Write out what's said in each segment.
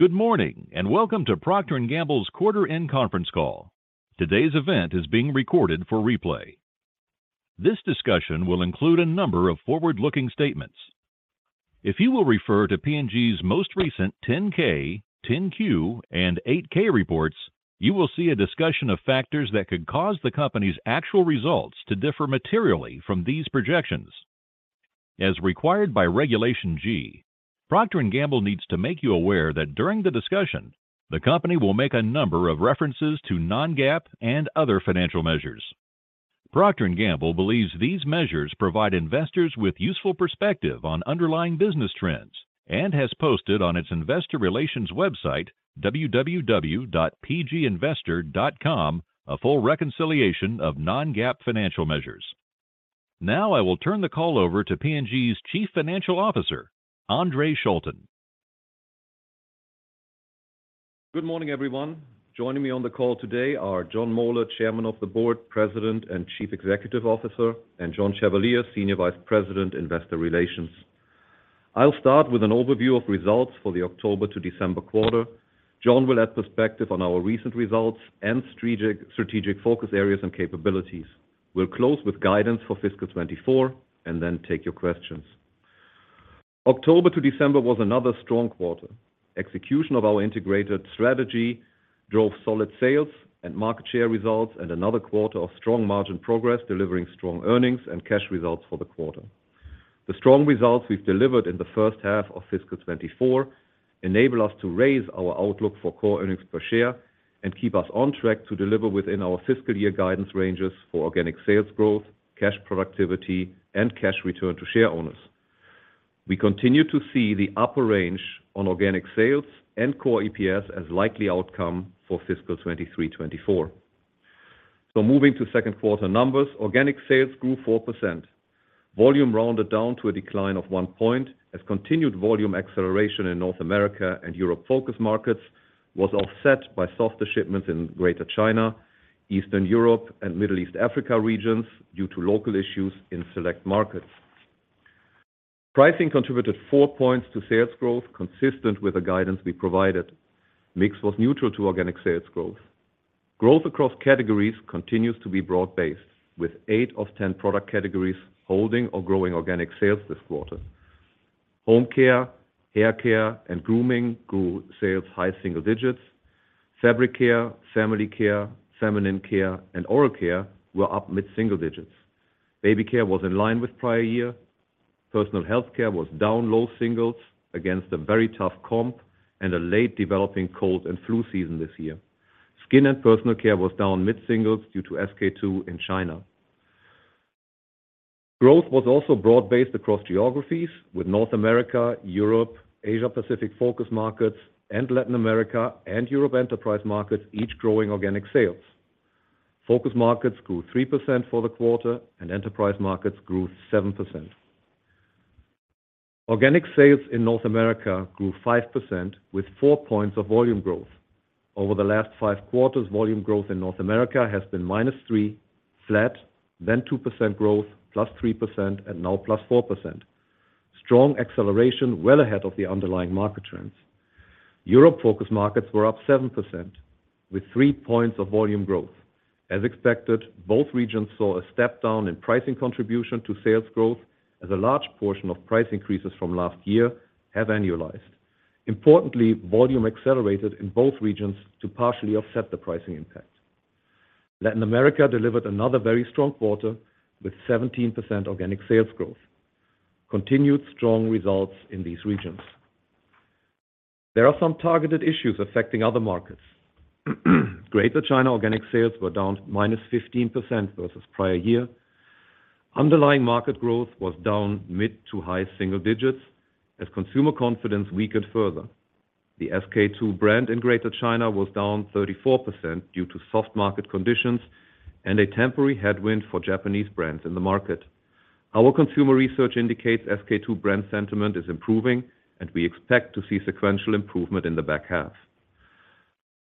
Good morning, and welcome to Procter & Gamble's quarter end conference call. Today's event is being recorded for replay. This discussion will include a number of forward-looking statements. If you will refer to P&G's most recent 10-K, 10-Q, and 8-K reports, you will see a discussion of factors that could cause the company's actual results to differ materially from these projections. As required by Regulation G, Procter & Gamble needs to make you aware that during the discussion, the company will make a number of references to non-GAAP and other financial measures. Procter & Gamble believes these measures provide investors with useful perspective on underlying business trends, and has posted on its investor relations website, www.pginvestor.com, a full reconciliation of non-GAAP financial measures. Now, I will turn the call over to P&G's Chief Financial Officer, Andre Schulten. Good morning, everyone. Joining me on the call today are Jon Moeller, Chairman of the Board, President, and Chief Executive Officer, and John Chevalier, Senior Vice President, Investor Relations. I'll start with an overview of results for the October to December quarter. Jon will add perspective on our recent results and strategic focus areas and capabilities. We'll close with guidance for fiscal 2024, and then take your questions. October to December was another strong quarter. Execution of our integrated strategy drove solid sales and market share results, and another quarter of strong margin progress, delivering strong earnings and cash results for the quarter. The strong results we've delivered in the first half of fiscal 2024 enable us to raise our outlook for core earnings per share and keep us on track to deliver within our fiscal year guidance ranges for organic sales growth, cash productivity, and cash return to share owners. We continue to see the upper range on organic sales and core EPS as likely outcome for fiscal 2023-2024. So moving to second quarter numbers, organic sales grew 4%. Volume rounded down to a decline of 1 point, as continued volume acceleration in North America and Europe focus markets was offset by softer shipments in Greater China, Eastern Europe, and Middle East Africa regions due to local issues in select markets. Pricing contributed 4 points to sales growth, consistent with the guidance we provided. Mix was neutral to organic sales growth. Growth across categories continues to be broad-based, with eight of 10 product categories holding or growing organic sales this quarter. Home care, hair care, and grooming grew sales high single digits. Fabric care, family care, feminine care, and oral care were up mid-single digits. Baby care was in line with prior year. Personal healthcare was down low singles against a very tough comp and a late developing cold and flu season this year. Skin and personal care was down mid-singles due to SK-II in China. Growth was also broad-based across geographies, with North America, Europe, Asia-Pacific focus markets, and Latin America, and Europe enterprise markets, each growing organic sales. Focus markets grew 3% for the quarter, and enterprise markets grew 7%. Organic sales in North America grew 5%, with 4 points of volume growth. Over the last five quarters, volume growth in North America has been -3%, flat, then 2% growth, +3%, and now +4%. Strong acceleration, well ahead of the underlying market trends. Europe focus markets were up 7%, with 3 points of volume growth. As expected, both regions saw a step down in pricing contribution to sales growth, as a large portion of price increases from last year have annualized. Importantly, volume accelerated in both regions to partially offset the pricing impact. Latin America delivered another very strong quarter, with 17% organic sales growth. Continued strong results in these regions. There are some targeted issues affecting other markets. Greater China organic sales were down -15% versus prior year. Underlying market growth was down mid- to high-single digits as consumer confidence weakened further. The SK-II brand in Greater China was down 34% due to soft market conditions and a temporary headwind for Japanese brands in the market. Our consumer research indicates SK-II brand sentiment is improving, and we expect to see sequential improvement in the back half.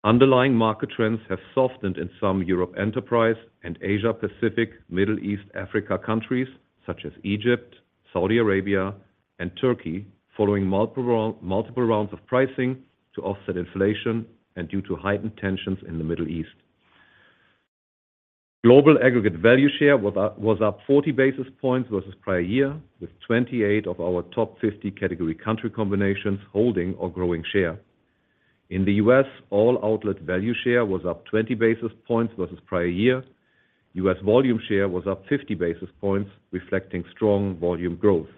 Underlying market trends have softened in some Europe Enterprise and Asia Pacific, Middle East, Africa countries such as Egypt, Saudi Arabia, and Turkey, following multiple rounds of pricing to offset inflation and due to heightened tensions in the Middle East. Global aggregate value share was up 40 basis points versus prior year, with 28 of our top 50 category country combinations holding or growing share. In the U.S., all outlet value share was up 20 basis points versus prior year. U.S. volume share was up 50 basis points, reflecting strong volume growth.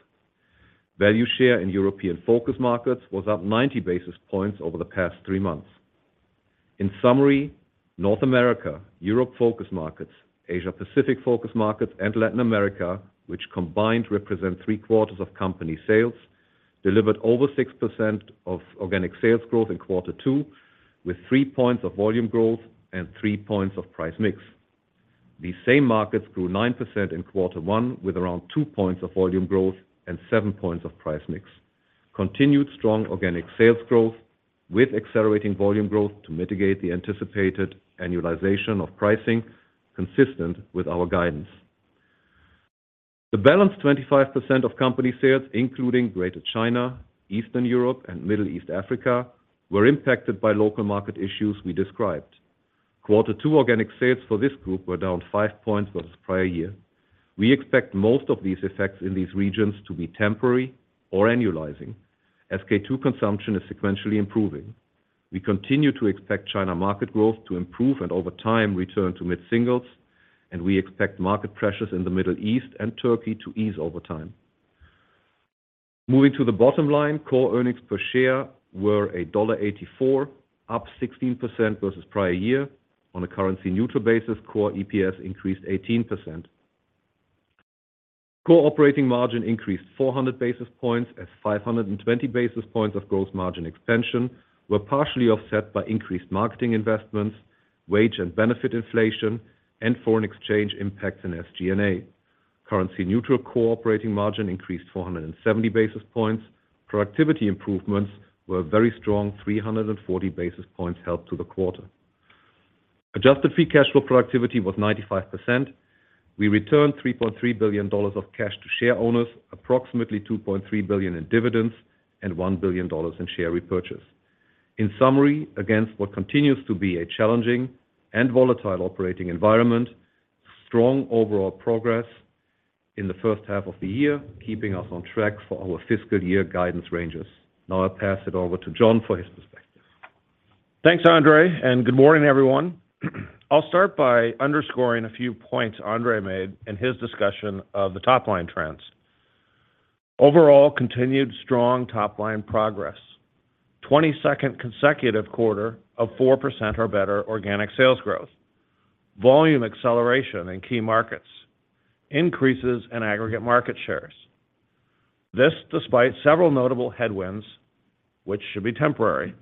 Value share in European focus markets was up 90 basis points over the past three months. In summary, North America, Europe focus markets, Asia Pacific focus markets, and Latin America, which combined represent three-quarters of company sales, delivered over 6% organic sales growth in quarter two, with 3 points of volume growth and 3 points of price mix. These same markets grew 9% in quarter one, with around 2 points of volume growth and 7 points of price mix. Continued strong organic sales growth with accelerating volume growth to mitigate the anticipated annualization of pricing, consistent with our guidance. The balanced 25% of company sales, including Greater China, Eastern Europe, and Middle East Africa, were impacted by local market issues we described. Quarter two organic sales for this group were down 5 points versus prior year. We expect most of these effects in these regions to be temporary or annualizing. SK-II consumption is sequentially improving. We continue to expect China market growth to improve and over time, return to mid-singles, and we expect market pressures in the Middle East and Turkey to ease over time. Moving to the bottom line, core earnings per share were $1.84, up 16% versus prior year. On a currency neutral basis, core EPS increased 18%. Core operating margin increased 400 basis points, as 520 basis points of gross margin expansion were partially offset by increased marketing investments, wage and benefit inflation, and foreign exchange impacts in SG&A. Currency neutral core operating margin increased 470 basis points. Productivity improvements were a very strong 340 basis points helped to the quarter. Adjusted free cash flow productivity was 95%. We returned $3.3 billion of cash to share owners, approximately $2.3 billion in dividends and $1 billion in share repurchase. In summary, against what continues to be a challenging and volatile operating environment, strong overall progress in the first half of the year, keeping us on track for our fiscal year guidance ranges. Now I'll pass it over to Jon for his perspectives. Thanks, Andre, and good morning, everyone. I'll start by underscoring a few points Andre made in his discussion of the top-line trends. Overall continued strong top-line progress. 22nd consecutive quarter of 4% or better organic sales growth, volume acceleration in key markets, increases in aggregate market shares. This, despite several notable headwinds, which should be temporary.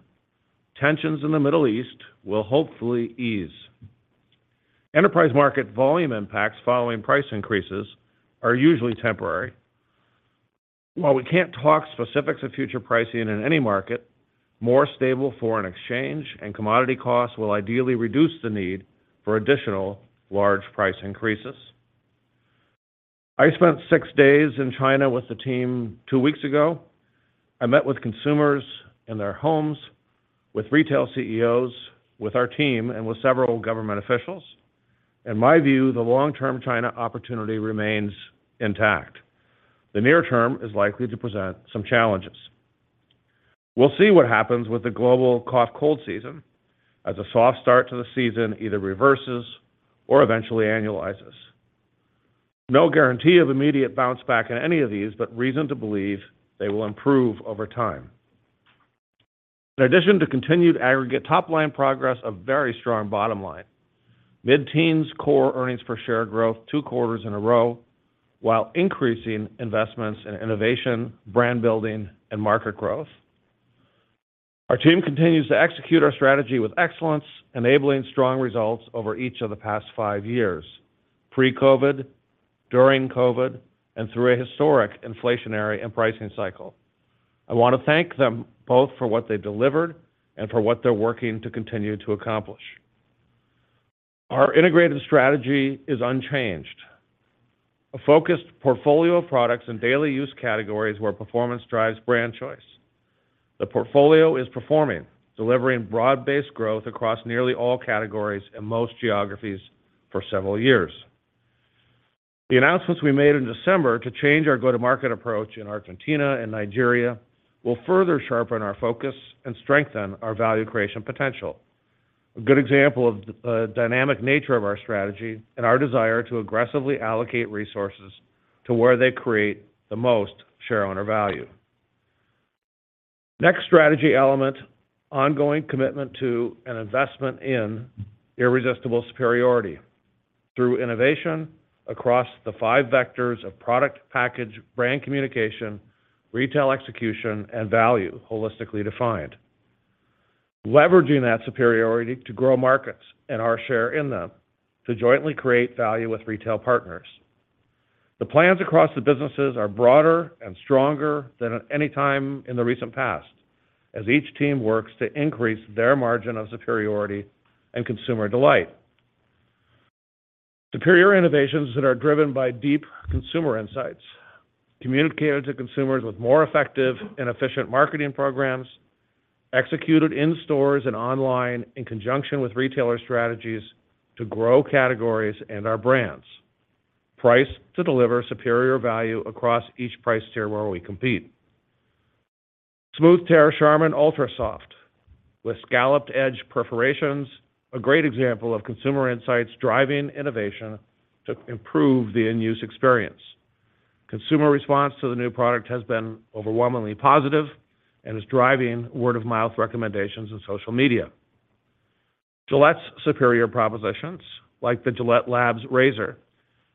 Tensions in the Middle East will hopefully ease. Enterprise markets volume impacts following price increases are usually temporary. While we can't talk specifics of future pricing in any market, more stable foreign exchange and commodity costs will ideally reduce the need for additional large price increases. I spent 6 days in China with the team 2 weeks ago. I met with consumers in their homes, with retail CEOs, with our team, and with several government officials. In my view, the long-term China opportunity remains intact. The near term is likely to present some challenges. We'll see what happens with the global cough, cold season, as a soft start to the season either reverses or eventually annualizes. No guarantee of immediate bounce back in any of these, but reason to believe they will improve over time. In addition to continued aggregate top line progress, a very strong bottom line. Mid-teens Core Earnings Per Share growth two quarters in a row, while increasing investments in innovation, brand building, and market growth. Our team continues to execute our strategy with excellence, enabling strong results over each of the past five years: pre-COVID, during COVID, and through a historic inflationary and pricing cycle. I want to thank them both for what they delivered and for what they're working to continue to accomplish. Our integrated strategy is unchanged. A focused portfolio of products and daily use categories where performance drives brand choice. The portfolio is performing, delivering broad-based growth across nearly all categories and most geographies for several years. The announcements we made in December to change our go-to-market approach in Argentina and Nigeria will further sharpen our focus and strengthen our value creation potential. A good example of the dynamic nature of our strategy and our desire to aggressively allocate resources to where they create the most shareowner value. Next strategy element, ongoing commitment to an investment in irresistible superiority through innovation across the five vectors of product, package, brand communication, retail execution, and value, holistically defined. Leveraging that superiority to grow markets and our share in them, to jointly create value with retail partners. The plans across the businesses are broader and stronger than at any time in the recent past, as each team works to increase their margin of superiority and consumer delight. Superior innovations that are driven by deep consumer insights, communicated to consumers with more effective and efficient marketing programs, executed in stores and online in conjunction with retailer strategies to grow categories and our brands. Priced to deliver superior value across each price tier where we compete. Charmin Ultra Soft with scalloped edge perforations, a great example of consumer insights driving innovation to improve the in-use experience. Consumer response to the new product has been overwhelmingly positive and is driving word-of-mouth recommendations on social media. Gillette's superior propositions, like the GilletteLabs razor,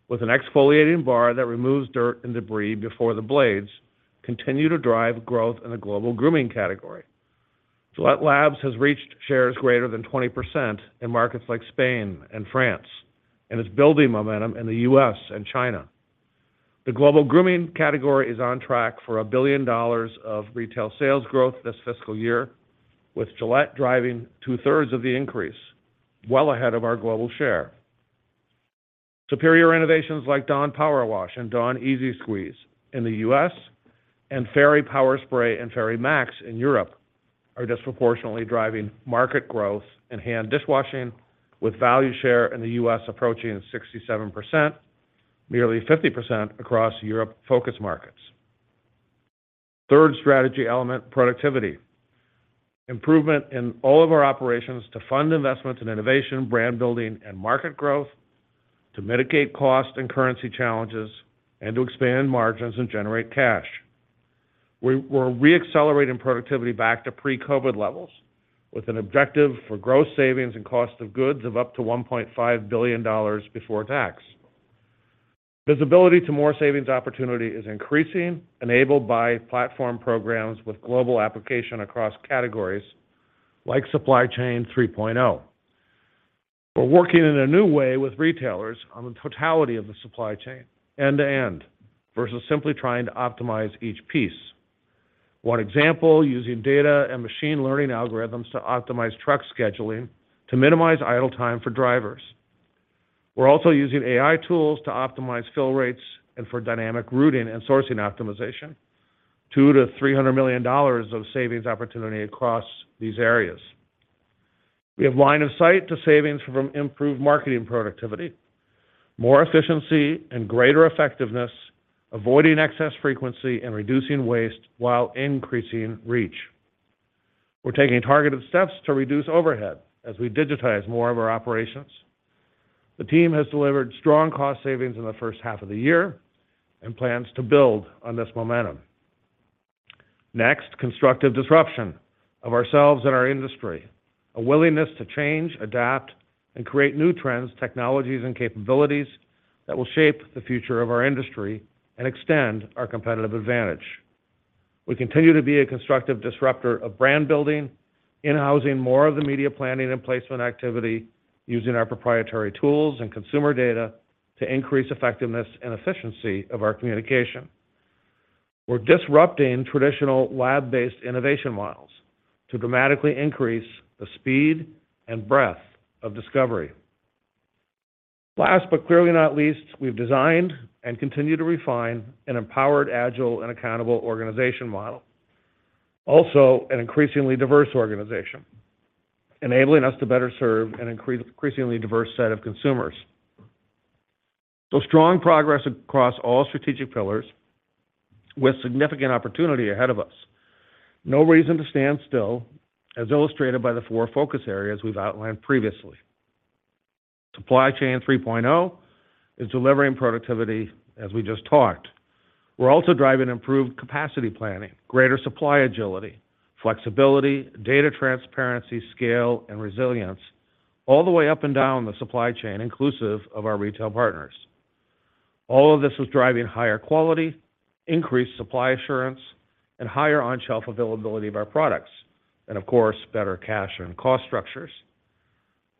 with an exfoliating bar that removes dirt and debris before the blades, continue to drive growth in the global grooming category. GilletteLabs has reached shares greater than 20% in markets like Spain and France, and is building momentum in the U.S. and China. The global grooming category is on track for $1 billion of retail sales growth this fiscal year, with Gillette driving two-thirds of the increase, well ahead of our global share. Superior innovations like Dawn Powerwash and Dawn EZ-Squeeze in the U.S., and Fairy Power Spray and Fairy Max in Europe, are disproportionately driving market growth in hand dishwashing, with value share in the U.S. approaching 67%, nearly 50% across Europe focus markets. Third strategy element, productivity. Improvement in all of our operations to fund investments in innovation, brand building, and market growth, to mitigate cost and currency challenges, and to expand margins and generate cash. We're reaccelerating productivity back to pre-COVID levels, with an objective for gross savings and cost of goods of up to $1.5 billion before tax. Visibility to more savings opportunity is increasing, enabled by platform programs with global application across categories like Supply Chain 3.0. We're working in a new way with retailers on the totality of the supply chain, end-to-end, versus simply trying to optimize each piece. One example, using data and machine learning algorithms to optimize truck scheduling to minimize idle time for drivers. We're also using AI tools to optimize fill rates and for dynamic routing and sourcing optimization, $200 million-$300 million of savings opportunity across these areas. We have line of sight to savings from improved marketing productivity, more efficiency and greater effectiveness, avoiding excess frequency and reducing waste while increasing reach. We're taking targeted steps to reduce overhead as we digitize more of our operations. The team has delivered strong cost savings in the first half of the year and plans to build on this momentum. Next, constructive disruption of ourselves and our industry. A willingness to change, adapt, and create new trends, technologies, and capabilities that will shape the future of our industry and extend our competitive advantage. We continue to be a constructive disruptor of brand building, in-housing more of the media planning and placement activity using our proprietary tools and consumer data to increase effectiveness and efficiency of our communication. We're disrupting traditional lab-based innovation models to dramatically increase the speed and breadth of discovery. Last, but clearly not least, we've designed and continue to refine an empowered, agile, and accountable organization model. Also, an increasingly diverse organization, enabling us to better serve an increasingly diverse set of consumers. So strong progress across all strategic pillars, with significant opportunity ahead of us. No reason to stand still, as illustrated by the four focus areas we've outlined previously. Supply Chain 3.0 is delivering productivity, as we just talked. We're also driving improved capacity planning, greater supply agility, flexibility, data transparency, scale, and resilience, all the way up and down the supply chain, inclusive of our retail partners. All of this is driving higher quality, increased supply assurance, and higher on-shelf availability of our products, and of course, better cash and cost structures.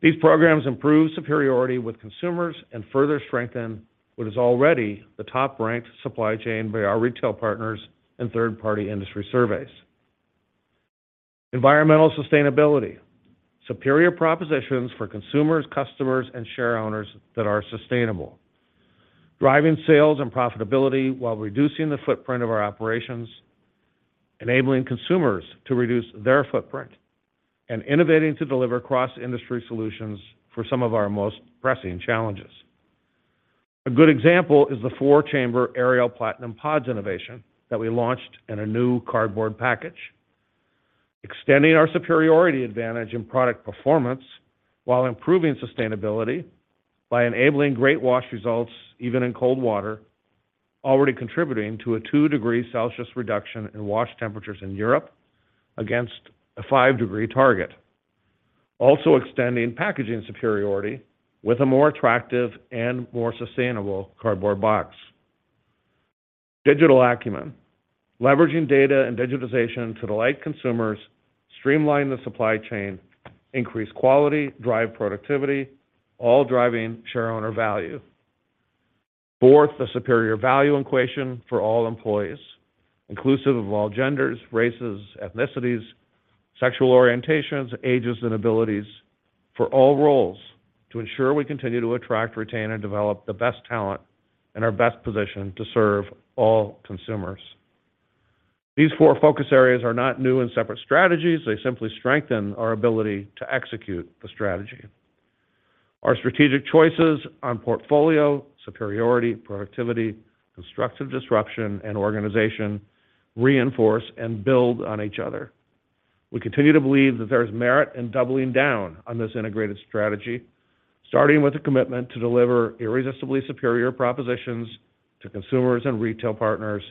These programs improve superiority with consumers and further strengthen what is already the top-ranked supply chain by our retail partners and third-party industry surveys. Environmental sustainability. Superior propositions for consumers, customers, and shareowners that are sustainable. Driving sales and profitability while reducing the footprint of our operations, enabling consumers to reduce their footprint, and innovating to deliver cross-industry solutions for some of our most pressing challenges. A good example is the 4-chamber Ariel Platinum Pods innovation that we launched in a new cardboard package, extending our superiority advantage in product performance while improving sustainability by enabling great wash results, even in cold water, already contributing to a 2 degrees Celsius reduction in wash temperatures in Europe against a 5-degree target. Also extending packaging superiority with a more attractive and more sustainable cardboard box. Digital acumen, leveraging data and digitization to delight consumers, streamline the supply chain, increase quality, drive productivity, all driving shareowner value. Fourth, a superior value equation for all employees, inclusive of all genders, races, ethnicities, sexual orientations, ages, and abilities, for all roles to ensure we continue to attract, retain, and develop the best talent and are best positioned to serve all consumers. These four focus areas are not new and separate strategies. They simply strengthen our ability to execute the strategy. Our strategic choices on portfolio, superiority, productivity, constructive disruption, and organization reinforce and build on each other. We continue to believe that there is merit in doubling down on this integrated strategy, starting with a commitment to deliver irresistibly superior propositions to consumers and retail partners,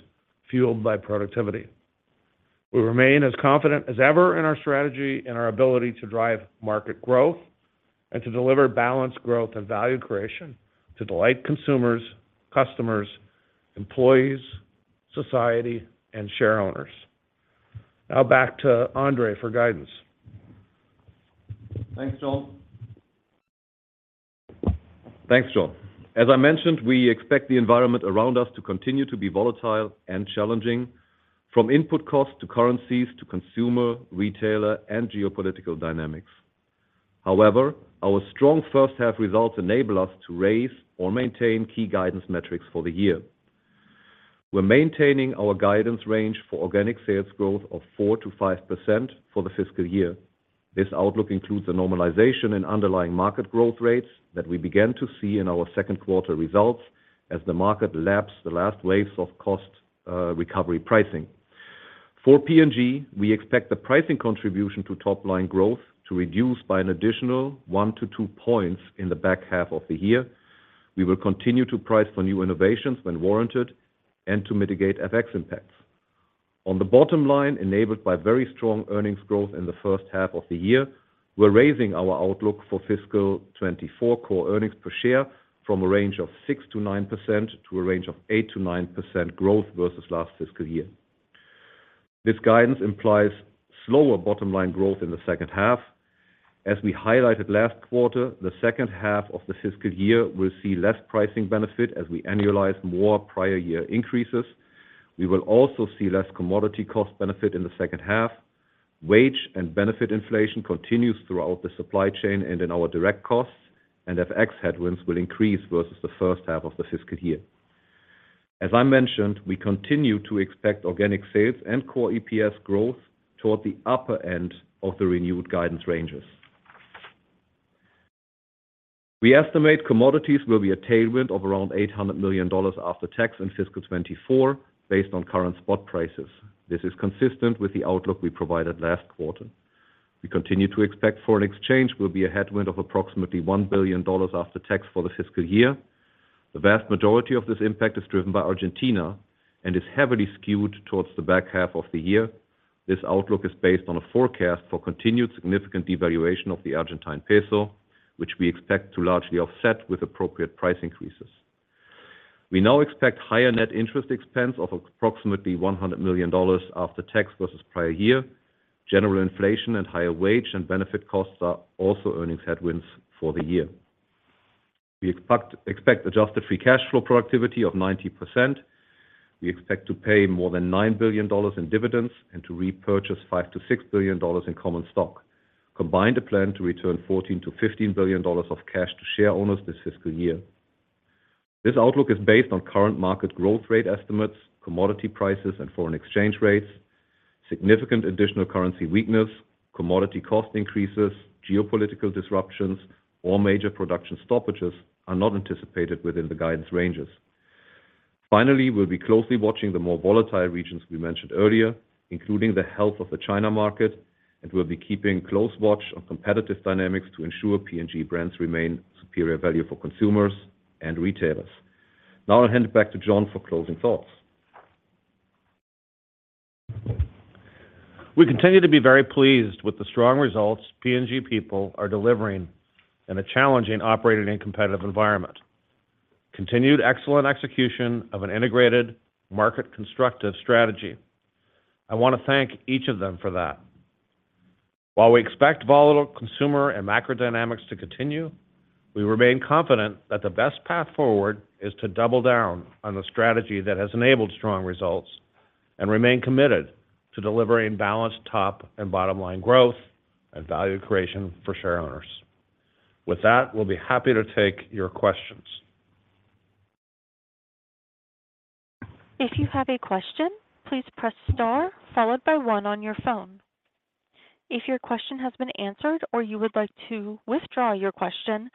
fueled by productivity. We remain as confident as ever in our strategy and our ability to drive market growth and to deliver balanced growth and value creation to delight consumers, customers, employees, society, and shareowners. Now back to Andre for guidance. Thanks, Jon. Thanks, Jon. As I mentioned, we expect the environment around us to continue to be volatile and challenging, from input costs, to currencies, to consumer, retailer, and geopolitical dynamics. However, our strong first half results enable us to raise or maintain key guidance metrics for the year. We're maintaining our guidance range for organic sales growth of 4%-5% for the fiscal year. This outlook includes a normalization in underlying market growth rates that we began to see in our second quarter results as the market laps the last waves of cost recovery pricing. For P&G, we expect the pricing contribution to top line growth to reduce by an additional 1-2 points in the back half of the year. We will continue to price for new innovations when warranted and to mitigate FX impacts. On the bottom line, enabled by very strong earnings growth in the first half of the year, we're raising our outlook for fiscal 2024 core earnings per share from a range of 6%-9% to a range of 8%-9% growth versus last fiscal year. This guidance implies slower bottom line growth in the second half. As we highlighted last quarter, the second half of the fiscal year will see less pricing benefit as we annualize more prior year increases. We will also see less commodity cost benefit in the second half. Wage and benefit inflation continues throughout the supply chain and in our direct costs, and FX headwinds will increase versus the first half of the fiscal year. As I mentioned, we continue to expect organic sales and core EPS growth toward the upper end of the renewed guidance ranges. We estimate commodities will be a tailwind of around $800 million after tax in fiscal 2024, based on current spot prices. This is consistent with the outlook we provided last quarter. We continue to expect foreign exchange will be a headwind of approximately $1 billion after tax for the fiscal year. The vast majority of this impact is driven by Argentina and is heavily skewed towards the back half of the year. This outlook is based on a forecast for continued significant devaluation of the Argentine peso, which we expect to largely offset with appropriate price increases. We now expect higher net interest expense of approximately $100 million after tax versus prior year. General inflation and higher wage and benefit costs are also earnings headwinds for the year. We expect adjusted free cash flow productivity of 90%. We expect to pay more than $9 billion in dividends and to repurchase $5 billion-$6 billion in common stock. Combined, a plan to return $14 billion-$15 billion of cash to shareowners this fiscal year. This outlook is based on current market growth rate estimates, commodity prices, and foreign exchange rates. Significant additional currency weakness, commodity cost increases, geopolitical disruptions, or major production stoppages are not anticipated within the guidance ranges. Finally, we'll be closely watching the more volatile regions we mentioned earlier, including the health of the China market, and we'll be keeping close watch on competitive dynamics to ensure P&G brands remain superior value for consumers and retailers. Now I'll hand it back to Jon for closing thoughts. We continue to be very pleased with the strong results P&G people are delivering in a challenging operating and competitive environment. Continued excellent execution of an integrated market constructive strategy. I want to thank each of them for that. While we expect volatile consumer and macro dynamics to continue, we remain confident that the best path forward is to double down on the strategy that has enabled strong results, and remain committed to delivering balanced top and bottom line growth and value creation for shareowners. With that, we'll be happy to take your questions. If you have a question, please press star followed by one on your phone. If your question has been answered or you would like to withdraw your question,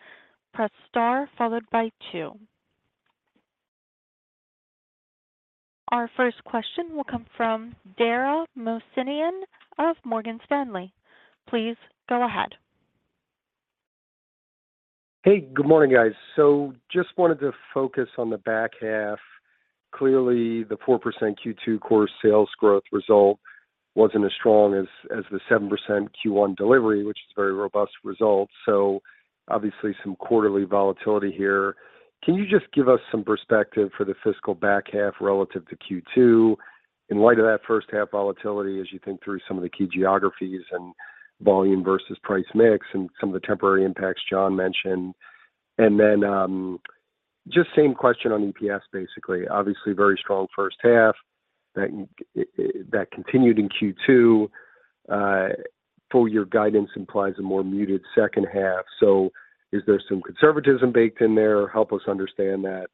press star followed by two. Our first question will come from Dara Mohsenian of Morgan Stanley. Please go ahead. Hey, good morning, guys. So just wanted to focus on the back half. Clearly, the 4% Q2 core sales growth result wasn't as strong as, as the 7% Q1 delivery, which is a very robust result. So obviously, some quarterly volatility here. Can you just give us some perspective for the fiscal back half relative to Q2, in light of that first half volatility, as you think through some of the key geographies and volume versus price mix and some of the temporary impacts Jon mentioned? And then, just same question on EPS, basically. Obviously, very strong first half that, that continued in Q2. Full year guidance implies a more muted second half. So is there some conservatism baked in there, or help us understand that?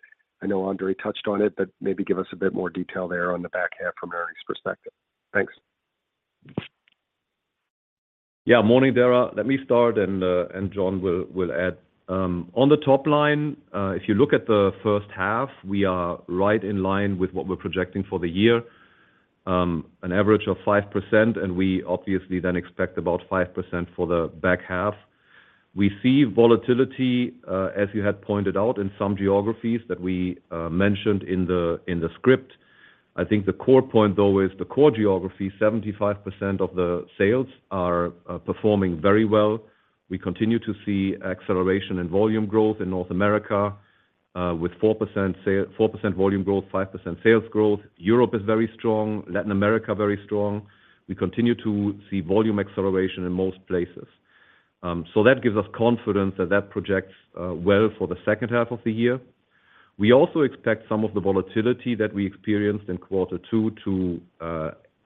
I know Andre touched on it, but maybe give us a bit more detail there on the back half from Ernie's perspective. Thanks. Yeah. Morning, Dara. Let me start, and Jon will add. On the top line, if you look at the first half, we are right in line with what we're projecting for the year, an average of 5%, and we obviously then expect about 5% for the back half. We see volatility, as you had pointed out in some geographies that we mentioned in the script. I think the core point, though, is the core geography, 75% of the sales are performing very well. We continue to see acceleration in volume growth in North America, with 4% sales, 4% volume growth, 5% sales growth. Europe is very strong, Latin America, very strong. We continue to see volume acceleration in most places. So that gives us confidence that that projects well for the second half of the year. We also expect some of the volatility that we experienced in quarter two to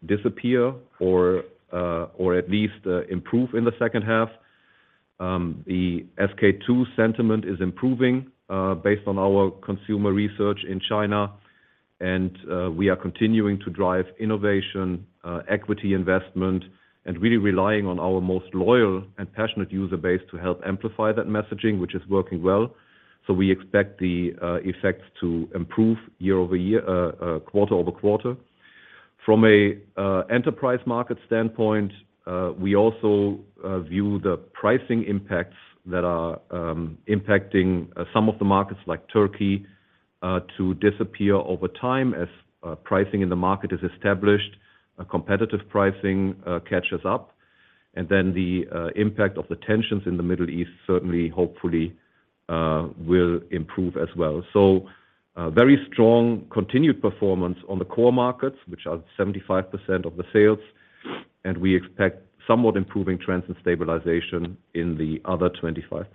disappear or or at least improve in the second half. The SK-II sentiment is improving based on our consumer research in China, and we are continuing to drive innovation, equity investment, and really relying on our most loyal and passionate user base to help amplify that messaging, which is working well. So we expect the effects to improve year-over-year, quarter-over-quarter. From a enterprise market standpoint, we also view the pricing impacts that are impacting some of the markets like Turkey to disappear over time as pricing in the market is established, a competitive pricing catches up, and then the impact of the tensions in the Middle East, certainly, hopefully, will improve as well. So, very strong continued performance on the core markets, which are 75% of the sales, and we expect somewhat improving trends and stabilization in the other 25%.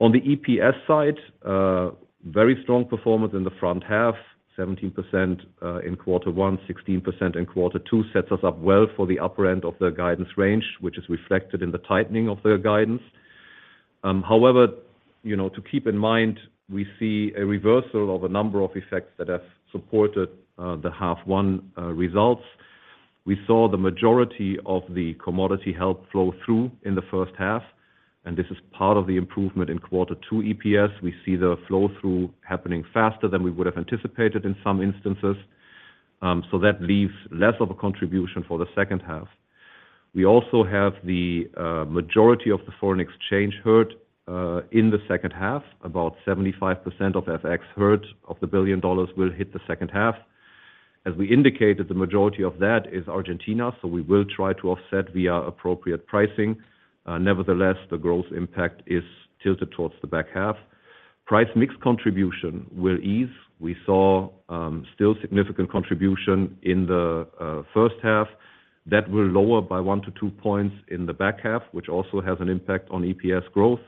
On the EPS side, very strong performance in the front half, 17% in quarter one, 16% in quarter two, sets us up well for the upper end of the guidance range, which is reflected in the tightening of the guidance. However, you know, to keep in mind, we see a reversal of a number of effects that have supported the half one results. We saw the majority of the commodity help flow through in the first half, and this is part of the improvement in quarter two EPS. We see the flow-through happening faster than we would have anticipated in some instances, so that leaves less of a contribution for the second half. We also have the majority of the foreign exchange hurt in the second half. About 75% of FX hurt, of the $1 billion will hit the second half. As we indicated, the majority of that is Argentina, so we will try to offset via appropriate pricing. Nevertheless, the growth impact is tilted towards the back half. Price mix contribution will ease. We saw still significant contribution in the first half that will lower by 1-2 points in the back half, which also has an impact on EPS growth.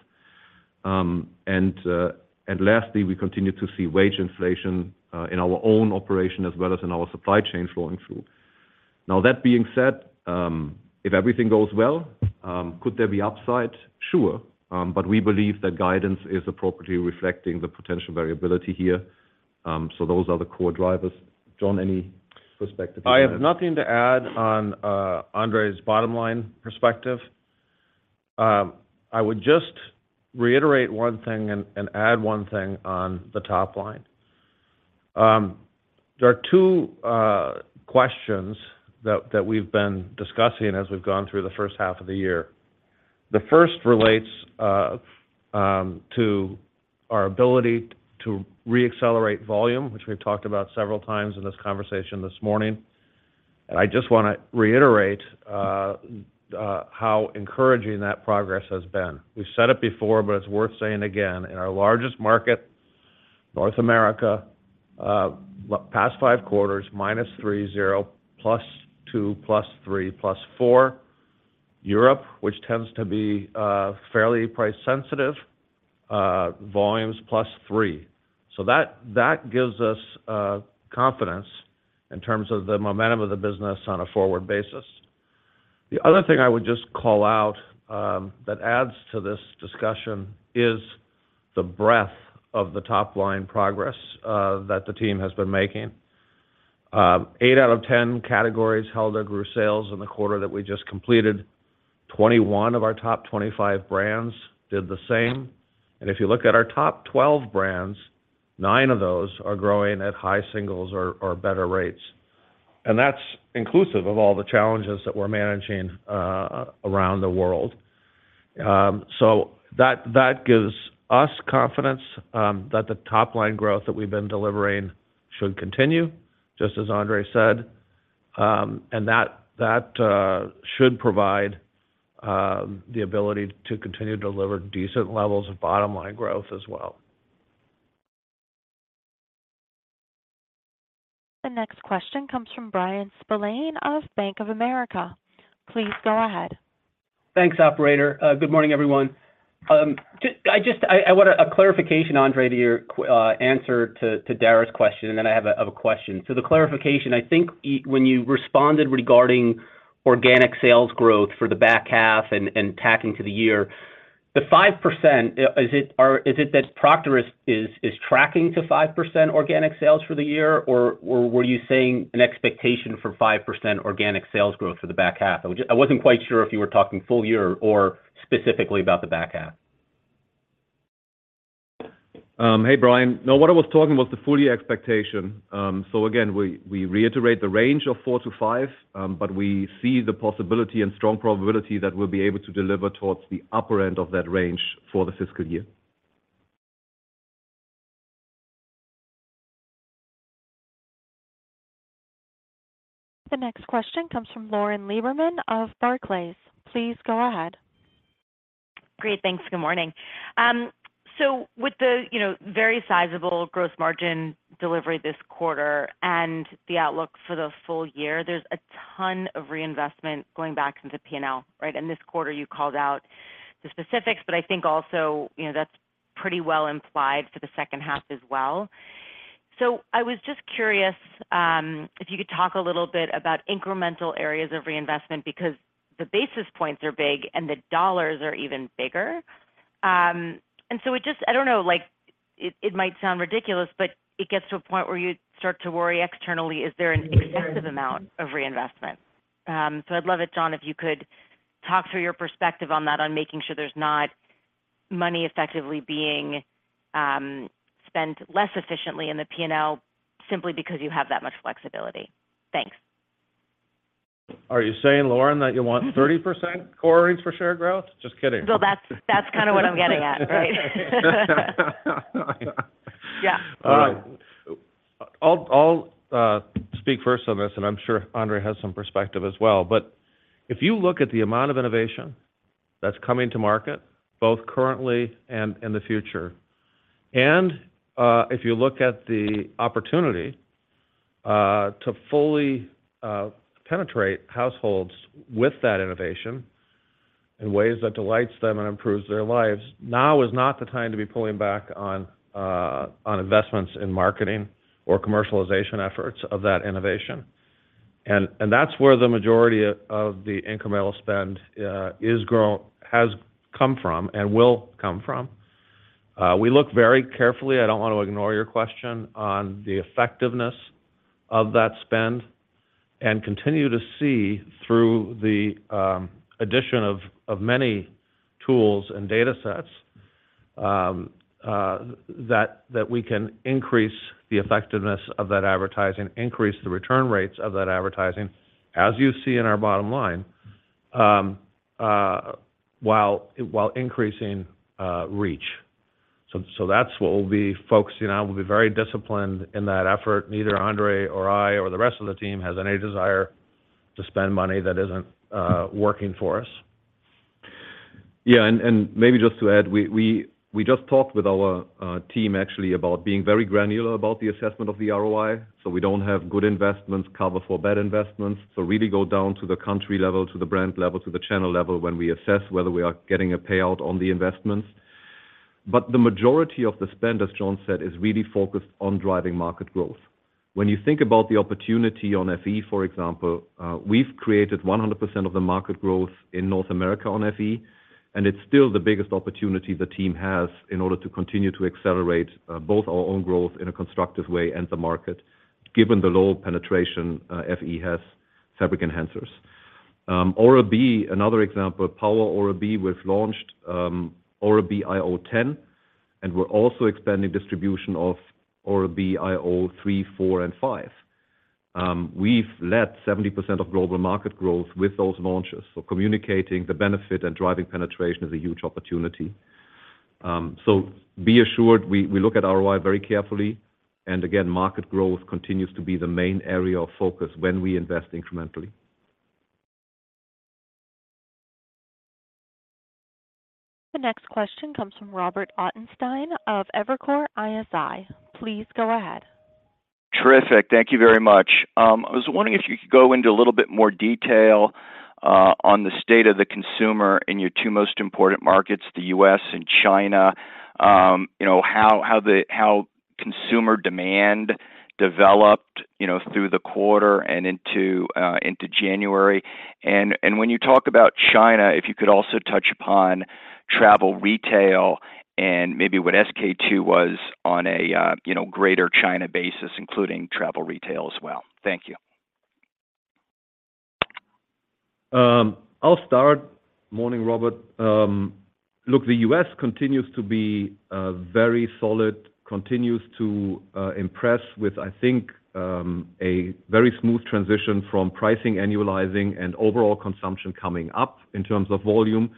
And lastly, we continue to see wage inflation in our own operation, as well as in our supply chain flowing through. Now, that being said, if everything goes well, could there be upside? Sure, but we believe that guidance is appropriately reflecting the potential variability here. So those are the core drivers. Jon, any perspective? I have nothing to add on, Andre's bottom line perspective. I would just reiterate one thing and add one thing on the top line. There are two questions that we've been discussing as we've gone through the first half of the year. The first relates to our ability to reaccelerate volume, which we've talked about several times in this conversation this morning. I just wanna reiterate how encouraging that progress has been. We've said it before, but it's worth saying again, in our largest market, North America, past five quarters, -3, 0, +2, +3, +4. Europe, which tends to be fairly price sensitive, volumes +3. So that gives us confidence in terms of the momentum of the business on a forward basis. The other thing I would just call out that adds to this discussion is the breadth of the top-line progress that the team has been making. Eight out of 10 categories held or grew sales in the quarter that we just completed. 21 of our top 25 brands did the same. And if you look at our top 12 brands, 9 of those are growing at high singles or better rates. And that's inclusive of all the challenges that we're managing around the world. So that gives us confidence that the top-line growth that we've been delivering should continue, just as Andre said. And that should provide the ability to continue to deliver decent levels of bottom line growth as well. The next question comes from Bryan Spillane of Bank of America. Please go ahead. Thanks, operator. Good morning, everyone. I just, I, I want a clarification, Andre, to your answer to Dara's question, and then I have a question. So the clarification, I think when you responded regarding organic sales growth for the back half and tracking to the year, the 5%, is it that Procter is tracking to 5% organic sales for the year? Or were you saying an expectation for 5% organic sales growth for the back half? I wasn't quite sure if you were talking full year or specifically about the back half. Hey, Bryan. No, what I was talking was the full year expectation. So again, we reiterate the range of 4-5, but we see the possibility and strong probability that we'll be able to deliver towards the upper end of that range for the fiscal year. The next question comes from Lauren Lieberman of Barclays. Please go ahead. Great. Thanks. Good morning. So with the, you know, very sizable gross margin delivery this quarter and the outlook for the full year, there's a ton of reinvestment going back into P&L, right? This quarter, you called out the specifics, but I think also, you know, that's pretty well implied for the second half as well. I was just curious, if you could talk a little bit about incremental areas of reinvestment, because the basis points are big and the dollars are even bigger. So it just, I don't know, like, it might sound ridiculous, but it gets to a point where you start to worry externally, is there an excessive amount of reinvestment? So I'd love it, Jon, if you could talk through your perspective on that, on making sure there's not money effectively being spent less efficiently in the P&L simply because you have that much flexibility. Thanks. Are you saying, Lauren, that you want 30% CORs for share growth? Just kidding. Well, that's, that's kind of what I'm getting at, right? Yeah. I'll speak first on this, and I'm sure Andre has some perspective as well. But if you look at the amount of innovation that's coming to market, both currently and in the future, and if you look at the opportunity to fully penetrate households with that innovation in ways that delights them and improves their lives, now is not the time to be pulling back on investments in marketing or commercialization efforts of that innovation. That's where the majority of the incremental spend has come from and will come from. We look very carefully. I don't want to ignore your question on the effectiveness of that spend, and continue to see through the addition of many tools and data sets that we can increase the effectiveness of that advertising, increase the return rates of that advertising, as you see in our bottom line, while increasing reach. So that's what we'll be focusing on. We'll be very disciplined in that effort. Neither Andre or I or the rest of the team has any desire to spend money that isn't working for us. Yeah, and maybe just to add, we just talked with our team actually about being very granular about the assessment of the ROI, so we don't have good investments cover for bad investments. So really go down to the country level, to the brand level, to the channel level when we assess whether we are getting a payout on the investments. But the majority of the spend, as Jon said, is really focused on driving market growth. When you think about the opportunity on FE, for example, we've created 100% of the market growth in North America on FE, and it's still the biggest opportunity the team has in order to continue to accelerate both our own growth in a constructive way and the market, given the low penetration, FE has fabric enhancers. Oral-B, another example, Oral-B iO, we've launched Oral-B iO 10, and we're also expanding distribution of Oral-B iO 3, 4, and 5. We've led 70% of global market growth with those launches. So communicating the benefit and driving penetration is a huge opportunity. So be assured, we look at ROI very carefully, and again, market growth continues to be the main area of focus when we invest incrementally. The next question comes from Robert Ottenstein of Evercore ISI. Please go ahead. Terrific. Thank you very much. I was wondering if you could go into a little bit more detail on the state of the consumer in your two most important markets, the US and China. You know, how consumer demand developed through the quarter and into January. And when you talk about China, if you could also touch upon travel retail and maybe what SK-II was on a greater China basis, including travel retail as well. Thank you. I'll start. Morning, Robert. Look, the U.S. continues to be very solid, continues to impress with, I think, a very smooth transition from pricing, annualizing, and overall consumption coming up in terms of volume,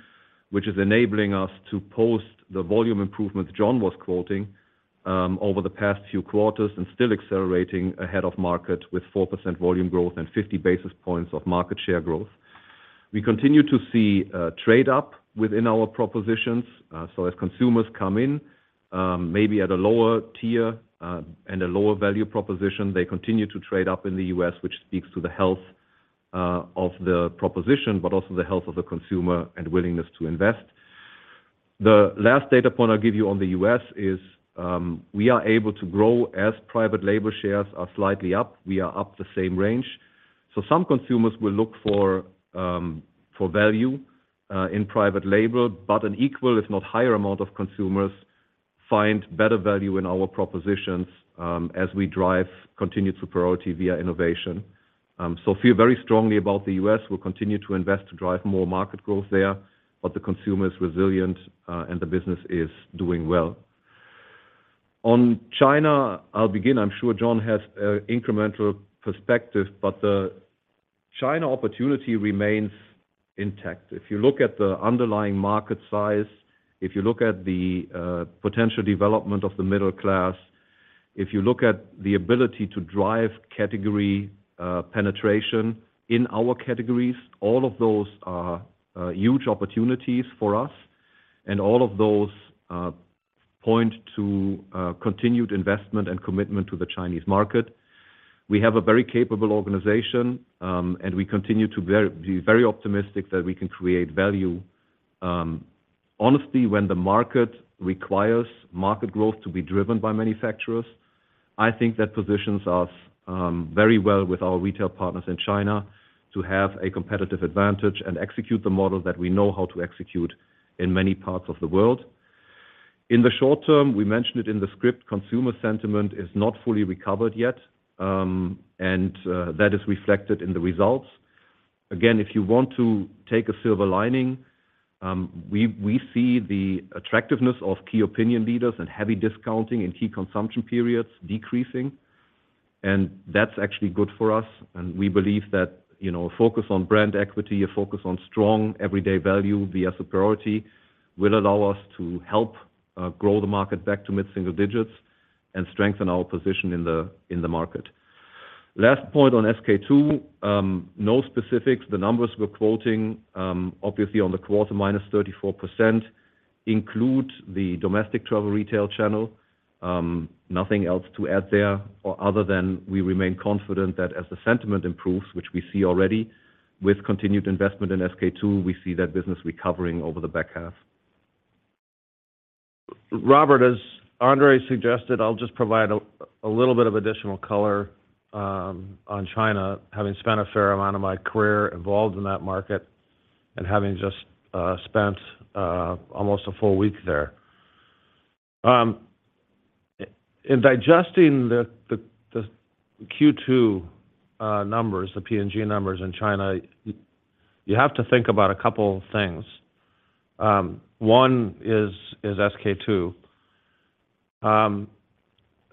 which is enabling us to post the volume improvements Jon was quoting over the past few quarters and still accelerating ahead of market with 4% volume growth and 50 basis points of market share growth. We continue to see trade up within our propositions. So as consumers come in, maybe at a lower tier and a lower value proposition, they continue to trade up in the U.S., which speaks to the health of the proposition, but also the health of the consumer and willingness to invest. The last data point I'll give you on the U.S. is, we are able to grow as private label shares are slightly up. We are up the same range. So some consumers will look for, for value, in private label, but an equal, if not higher, amount of consumers find better value in our propositions, as we drive continued superiority via innovation. So feel very strongly about the U.S. We'll continue to invest to drive more market growth there, but the consumer is resilient, and the business is doing well. On China, I'll begin. I'm sure Jon has an incremental perspective, but the China opportunity remains intact. If you look at the underlying market size, if you look at the potential development of the middle class, if you look at the ability to drive category penetration in our categories, all of those are huge opportunities for us, and all of those point to continued investment and commitment to the Chinese market. We have a very capable organization, and we continue to be very optimistic that we can create value. Honestly, when the market requires market growth to be driven by manufacturers, I think that positions us very well with our retail partners in China to have a competitive advantage and execute the model that we know how to execute in many parts of the world. In the short term, we mentioned it in the script, consumer sentiment is not fully recovered yet, and that is reflected in the results. Again, if you want to take a silver lining, we see the attractiveness of key opinion leaders and heavy discounting in key consumption periods decreasing, and that's actually good for us. And we believe that, you know, a focus on brand equity, a focus on strong everyday value via superiority, will allow us to help grow the market back to mid-single digits and strengthen our position in the market. Last point on SK-II, no specifics. The numbers we're quoting, obviously on the quarter, -34%, include the domestic travel retail channel. Nothing else to add there, other than we remain confident that as the sentiment improves, which we see already, with continued investment in SK-II, we see that business recovering over the back half. Robert, as Andre suggested, I'll just provide a little bit of additional color on China, having spent a fair amount of my career involved in that market and having just spent almost a full week there. In digesting the Q2 numbers, the P&G numbers in China, you have to think about a couple things. One is SK-II,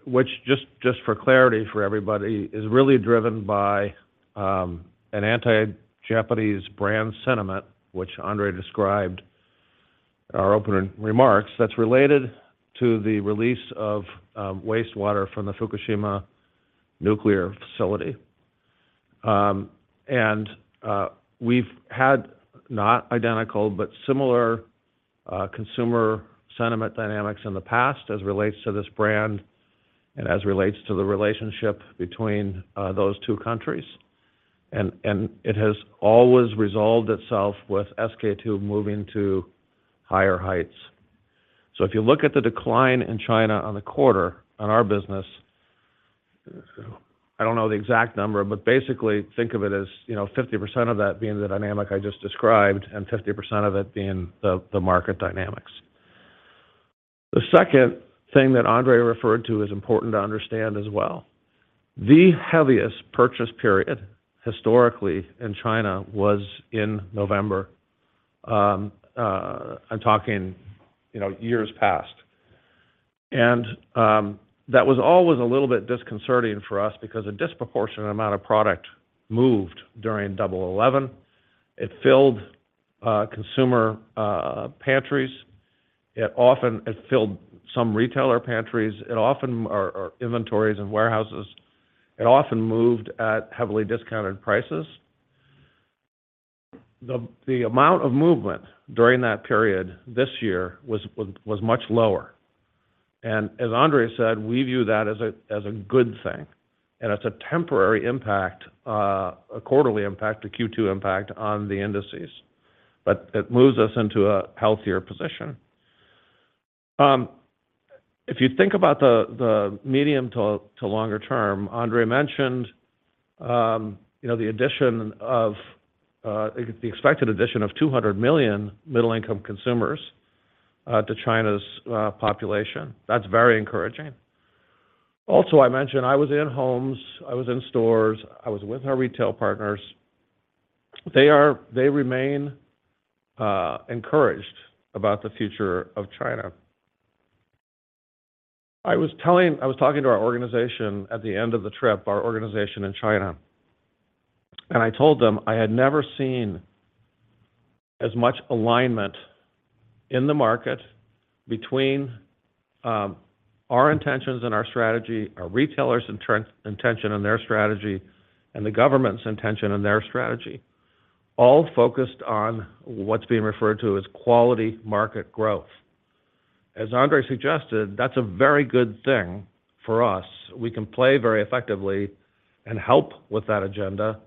which, just for clarity for everybody, is really driven by an anti-Japanese brand sentiment, which Andre described in our opening remarks, that's related to the release of wastewater from the Fukushima nuclear facility. And we've had, not identical, but similar consumer sentiment dynamics in the past as relates to this brand and as relates to the relationship between those two countries. And it has always resolved itself with SK-II moving to higher heights. So if you look at the decline in China on the quarter on our business, I don't know the exact number, but basically think of it as, you know, 50% of that being the dynamic I just described, and 50% of it being the market dynamics. The second thing that Andre referred to is important to understand as well. The heaviest purchase period, historically, in China was in November. I'm talking, you know, years past. And that was always a little bit disconcerting for us because a disproportionate amount of product moved during Double Eleven. It filled consumer pantries. It often filled some retailer pantries or inventories and warehouses. It often moved at heavily discounted prices. The amount of movement during that period this year was much lower. As Andre said, we view that as a good thing, and it's a temporary impact, a quarterly impact, a Q2 impact on the indices, but it moves us into a healthier position. If you think about the medium to longer term, Andre mentioned, you know, the addition of the expected addition of 200 million middle-income consumers to China's population. That's very encouraging. Also, I mentioned I was in homes, I was in stores, I was with our retail partners. They remain encouraged about the future of China. I was talking to our organization at the end of the trip, our organization in China, and I told them I had never seen as much alignment in the market between our intentions and our strategy, our retailers intention and their strategy, and the government's intention and their strategy, all focused on what's being referred to as quality market growth. As Andre suggested, that's a very good thing for us. We can play very effectively and help with that agenda,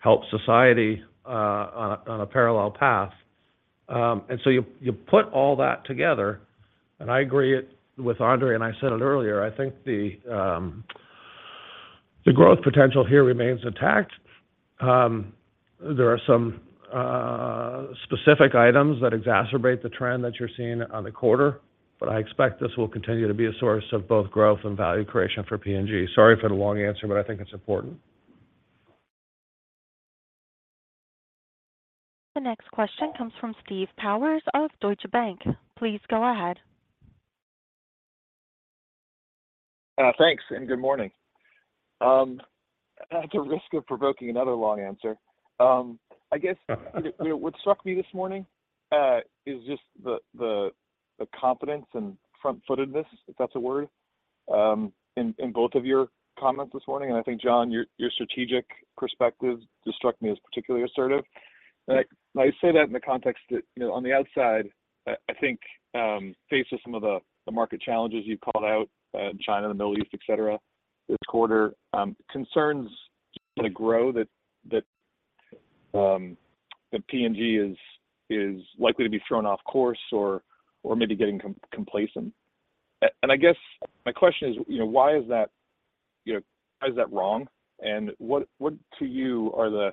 help society on a parallel path. And so you put all that together, and I agree it with Andre, and I said it earlier, I think the growth potential here remains intact. There are some specific items that exacerbate the trend that you're seeing on the quarter, but I expect this will continue to be a source of both growth and value creation for P&G. Sorry for the long answer, but I think it's important. The next question comes from Steve Powers of Deutsche Bank. Please go ahead. Thanks, and good morning. At the risk of provoking another long answer, I guess what struck me this morning is just the confidence and front-footedness, if that's a word, in both of your comments this morning. And I think, Jon, your strategic perspective just struck me as particularly assertive. And I say that in the context that, you know, on the outside, I think, faced with some of the market challenges you've called out, China, the Middle East, et cetera, this quarter, concerns kind of grow that P&G is likely to be thrown off course or maybe getting complacent. And I guess my question is, you know, why is that wrong? And what to you are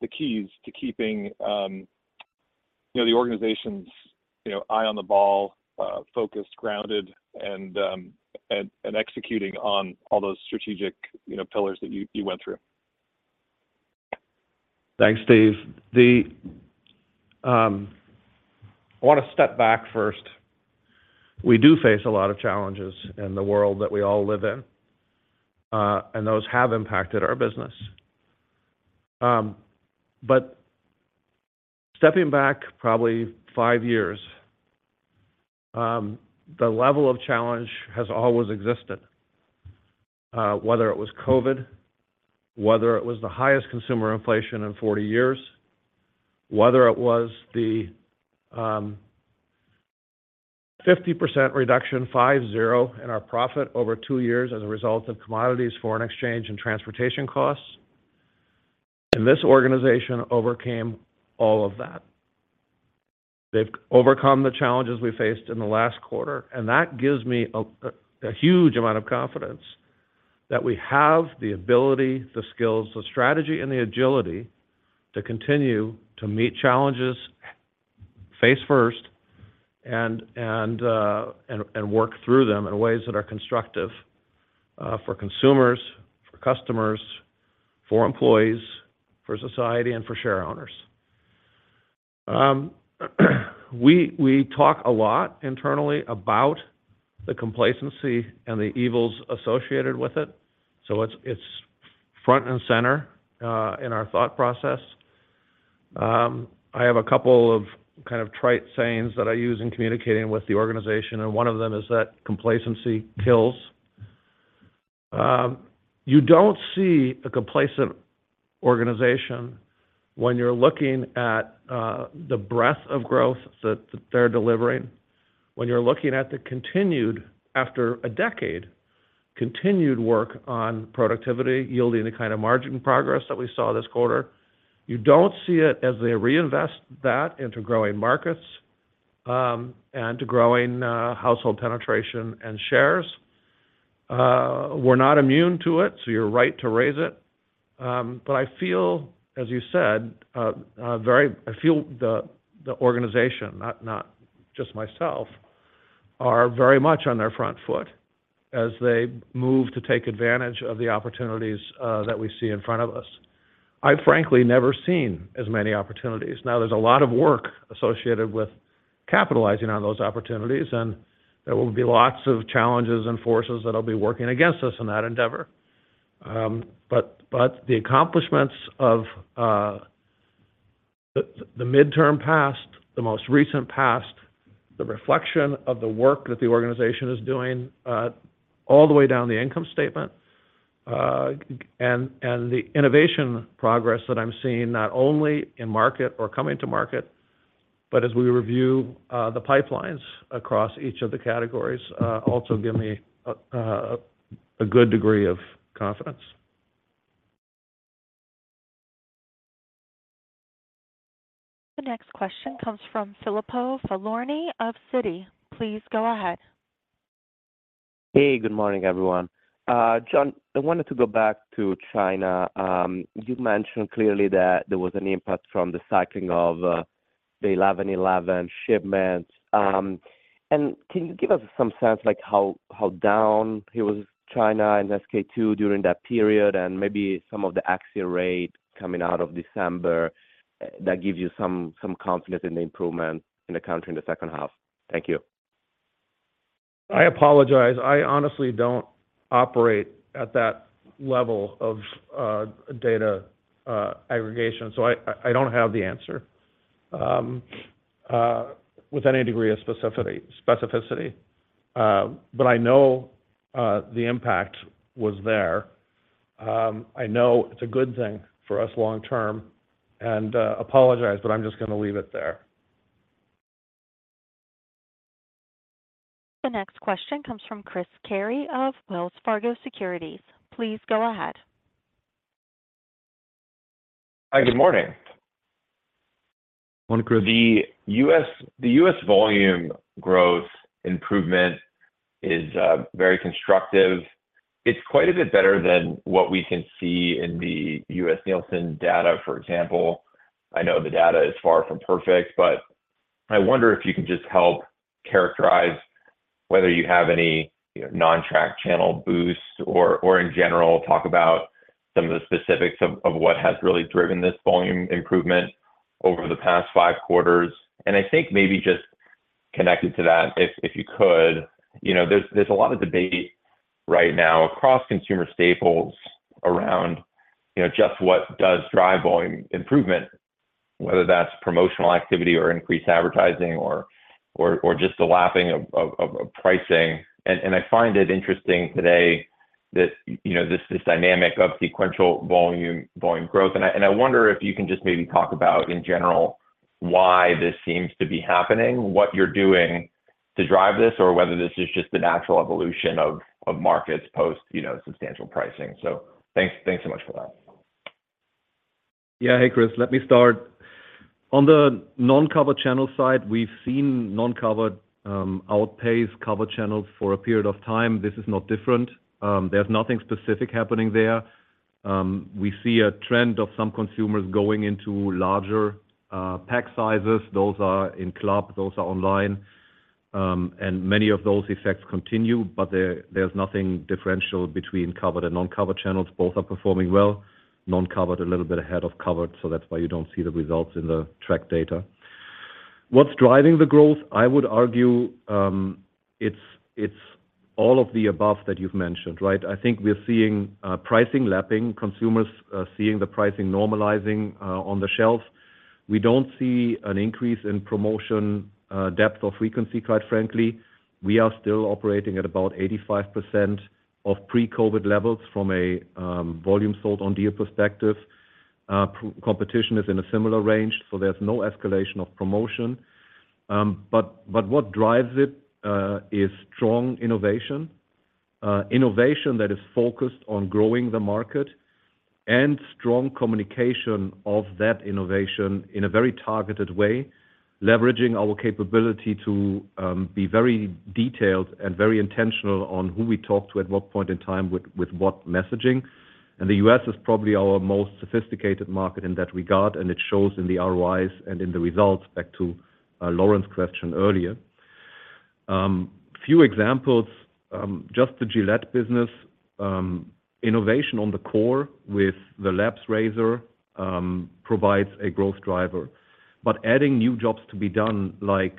the keys to keeping, you know, the organization's, you know, eye on the ball, focused, grounded, and executing on all those strategic, you know, pillars that you went through? Thanks, Steve. I want to step back first. We do face a lot of challenges in the world that we all live in, and those have impacted our business. But stepping back probably five years, the level of challenge has always existed, whether it was COVID, whether it was the highest consumer inflation in 40 years, whether it was the 50% reduction, 50, in our profit over two years as a result of commodities, foreign exchange, and transportation costs, and this organization overcame all of that. They've overcome the challenges we faced in the last quarter, and that gives me a huge amount of confidence that we have the ability, the skills, the strategy, and the agility to continue to meet challenges face first and work through them in ways that are constructive for consumers, for customers, for employees, for society, and for share owners. We talk a lot internally about the complacency and the evils associated with it, so it's front and center in our thought process. I have a couple of kind of trite sayings that I use in communicating with the organization, and one of them is that complacency kills. You don't see a complacent organization when you're looking at the breadth of growth that they're delivering, when you're looking at the continued, after a decade, continued work on productivity, yielding the kind of margin progress that we saw this quarter. You don't see it as they reinvest that into growing markets, and to growing household penetration and shares. We're not immune to it, so you're right to raise it. But I feel, as you said, I feel the organization, not just myself, are very much on their front foot as they move to take advantage of the opportunities that we see in front of us. I've frankly never seen as many opportunities. Now, there's a lot of work associated with capitalizing on those opportunities, and there will be lots of challenges and forces that will be working against us in that endeavor. But the accomplishments of the midterm past, the most recent past, the reflection of the work that the organization is doing, all the way down the income statement, and the innovation progress that I'm seeing, not only in market or coming to market, but as we review the pipelines across each of the categories, also give me a good degree of confidence. The next question comes from Filippo Falorni of Citi. Please go ahead. Hey, good morning, everyone. Jon, I wanted to go back to China. You've mentioned clearly that there was an impact from the cycling of the 11.11 shipments. Can you give us some sense like how down it was in China and SK-II during that period, and maybe some of the FX tail coming out of December that gives you some confidence in the improvement in the country in the second half? Thank you. I apologize. I honestly don't operate at that level of data aggregation, so I don't have the answer with any degree of specificity. But I know the impact was there. I know it's a good thing for us long term, and apologize, but I'm just gonna leave it there. The next question comes from Chris Carey of Wells Fargo Securities. Please go ahead. Hi, good morning. Morning, Chris. The U.S. volume growth improvement is very constructive. It's quite a bit better than what we can see in the U.S. Nielsen data, for example. I know the data is far from perfect, but I wonder if you can just help characterize whether you have any, you know, non-tracked channel boost or in general talk about some of the specifics of what has really driven this volume improvement over the past five quarters? And I think maybe just connected to that, if you could, you know, there's a lot of debate right now across consumer staples around, you know, just what does drive volume improvement, whether that's promotional activity or increased advertising or just the lapping of pricing. And I find it interesting today that, you know, this dynamic of sequential volume growth. I wonder if you can just maybe talk about, in general, why this seems to be happening, what you're doing to drive this, or whether this is just the natural evolution of markets post, you know, substantial pricing. So thanks, thanks so much for that. Yeah. Hey, Chris, let me start. On the non-covered channel side, we've seen non-covered outpace covered channels for a period of time. This is not different. There's nothing specific happening there. We see a trend of some consumers going into larger pack sizes. Those are in club, those are online. And many of those effects continue, but there, there's nothing differential between covered and non-covered channels. Both are performing well, non-covered a little bit ahead of covered, so that's why you don't see the results in the tracked data. What's driving the growth? I would argue, it's all of the above that you've mentioned, right? I think we're seeing pricing lapping, consumers seeing the pricing normalizing on the shelves. We don't see an increase in promotion depth or frequency, quite frankly. We are still operating at about 85% of pre-COVID levels from a volume sold on year perspective. Competition is in a similar range, so there's no escalation of promotion. But what drives it is strong innovation. Innovation that is focused on growing the market and strong communication of that innovation in a very targeted way, leveraging our capability to be very detailed and very intentional on who we talk to, at what point in time, with what messaging. And the U.S. is probably our most sophisticated market in that regard, and it shows in the ROIs and in the results, back to Lauren's question earlier. Few examples, just the Gillette business, innovation on the core with the Labs razor, provides a growth driver. But adding new jobs to be done, like,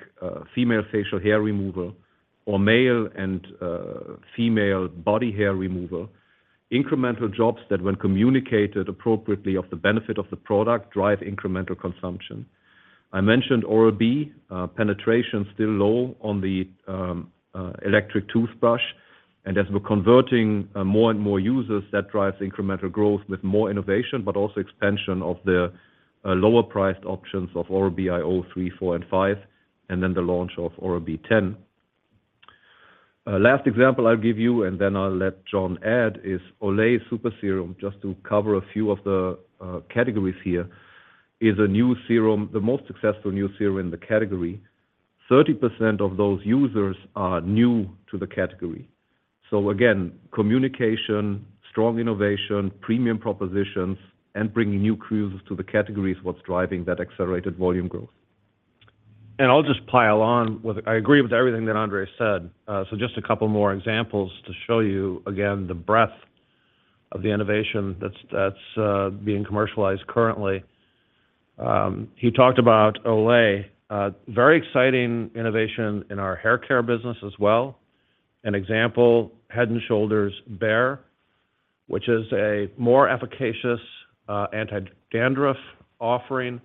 female facial hair removal or male and female body hair removal, incremental jobs that, when communicated appropriately of the benefit of the product, drive incremental consumption. I mentioned Oral-B, penetration is still low on the electric toothbrush, and as we're converting more and more users, that drives incremental growth with more innovation, but also expansion of the lower priced options of Oral-B iO 3, 4, and 5, and then the launch of Oral-B 10. Last example I'll give you, and then I'll let Jon add, is Olay Super Serum, just to cover a few of the categories here, is a new serum, the most successful new serum in the category. 30% of those users are new to the category. Again, communication, strong innovation, premium propositions, and bringing new users to the category is what's driving that accelerated volume growth. I'll just pile on. I agree with everything that Andre said. So just a couple more examples to show you, again, the breadth of the innovation that's being commercialized currently. He talked about Olay, very exciting innovation in our hair care business as well. An example, Head & Shoulders Bare, which is a more efficacious, anti-dandruff offering,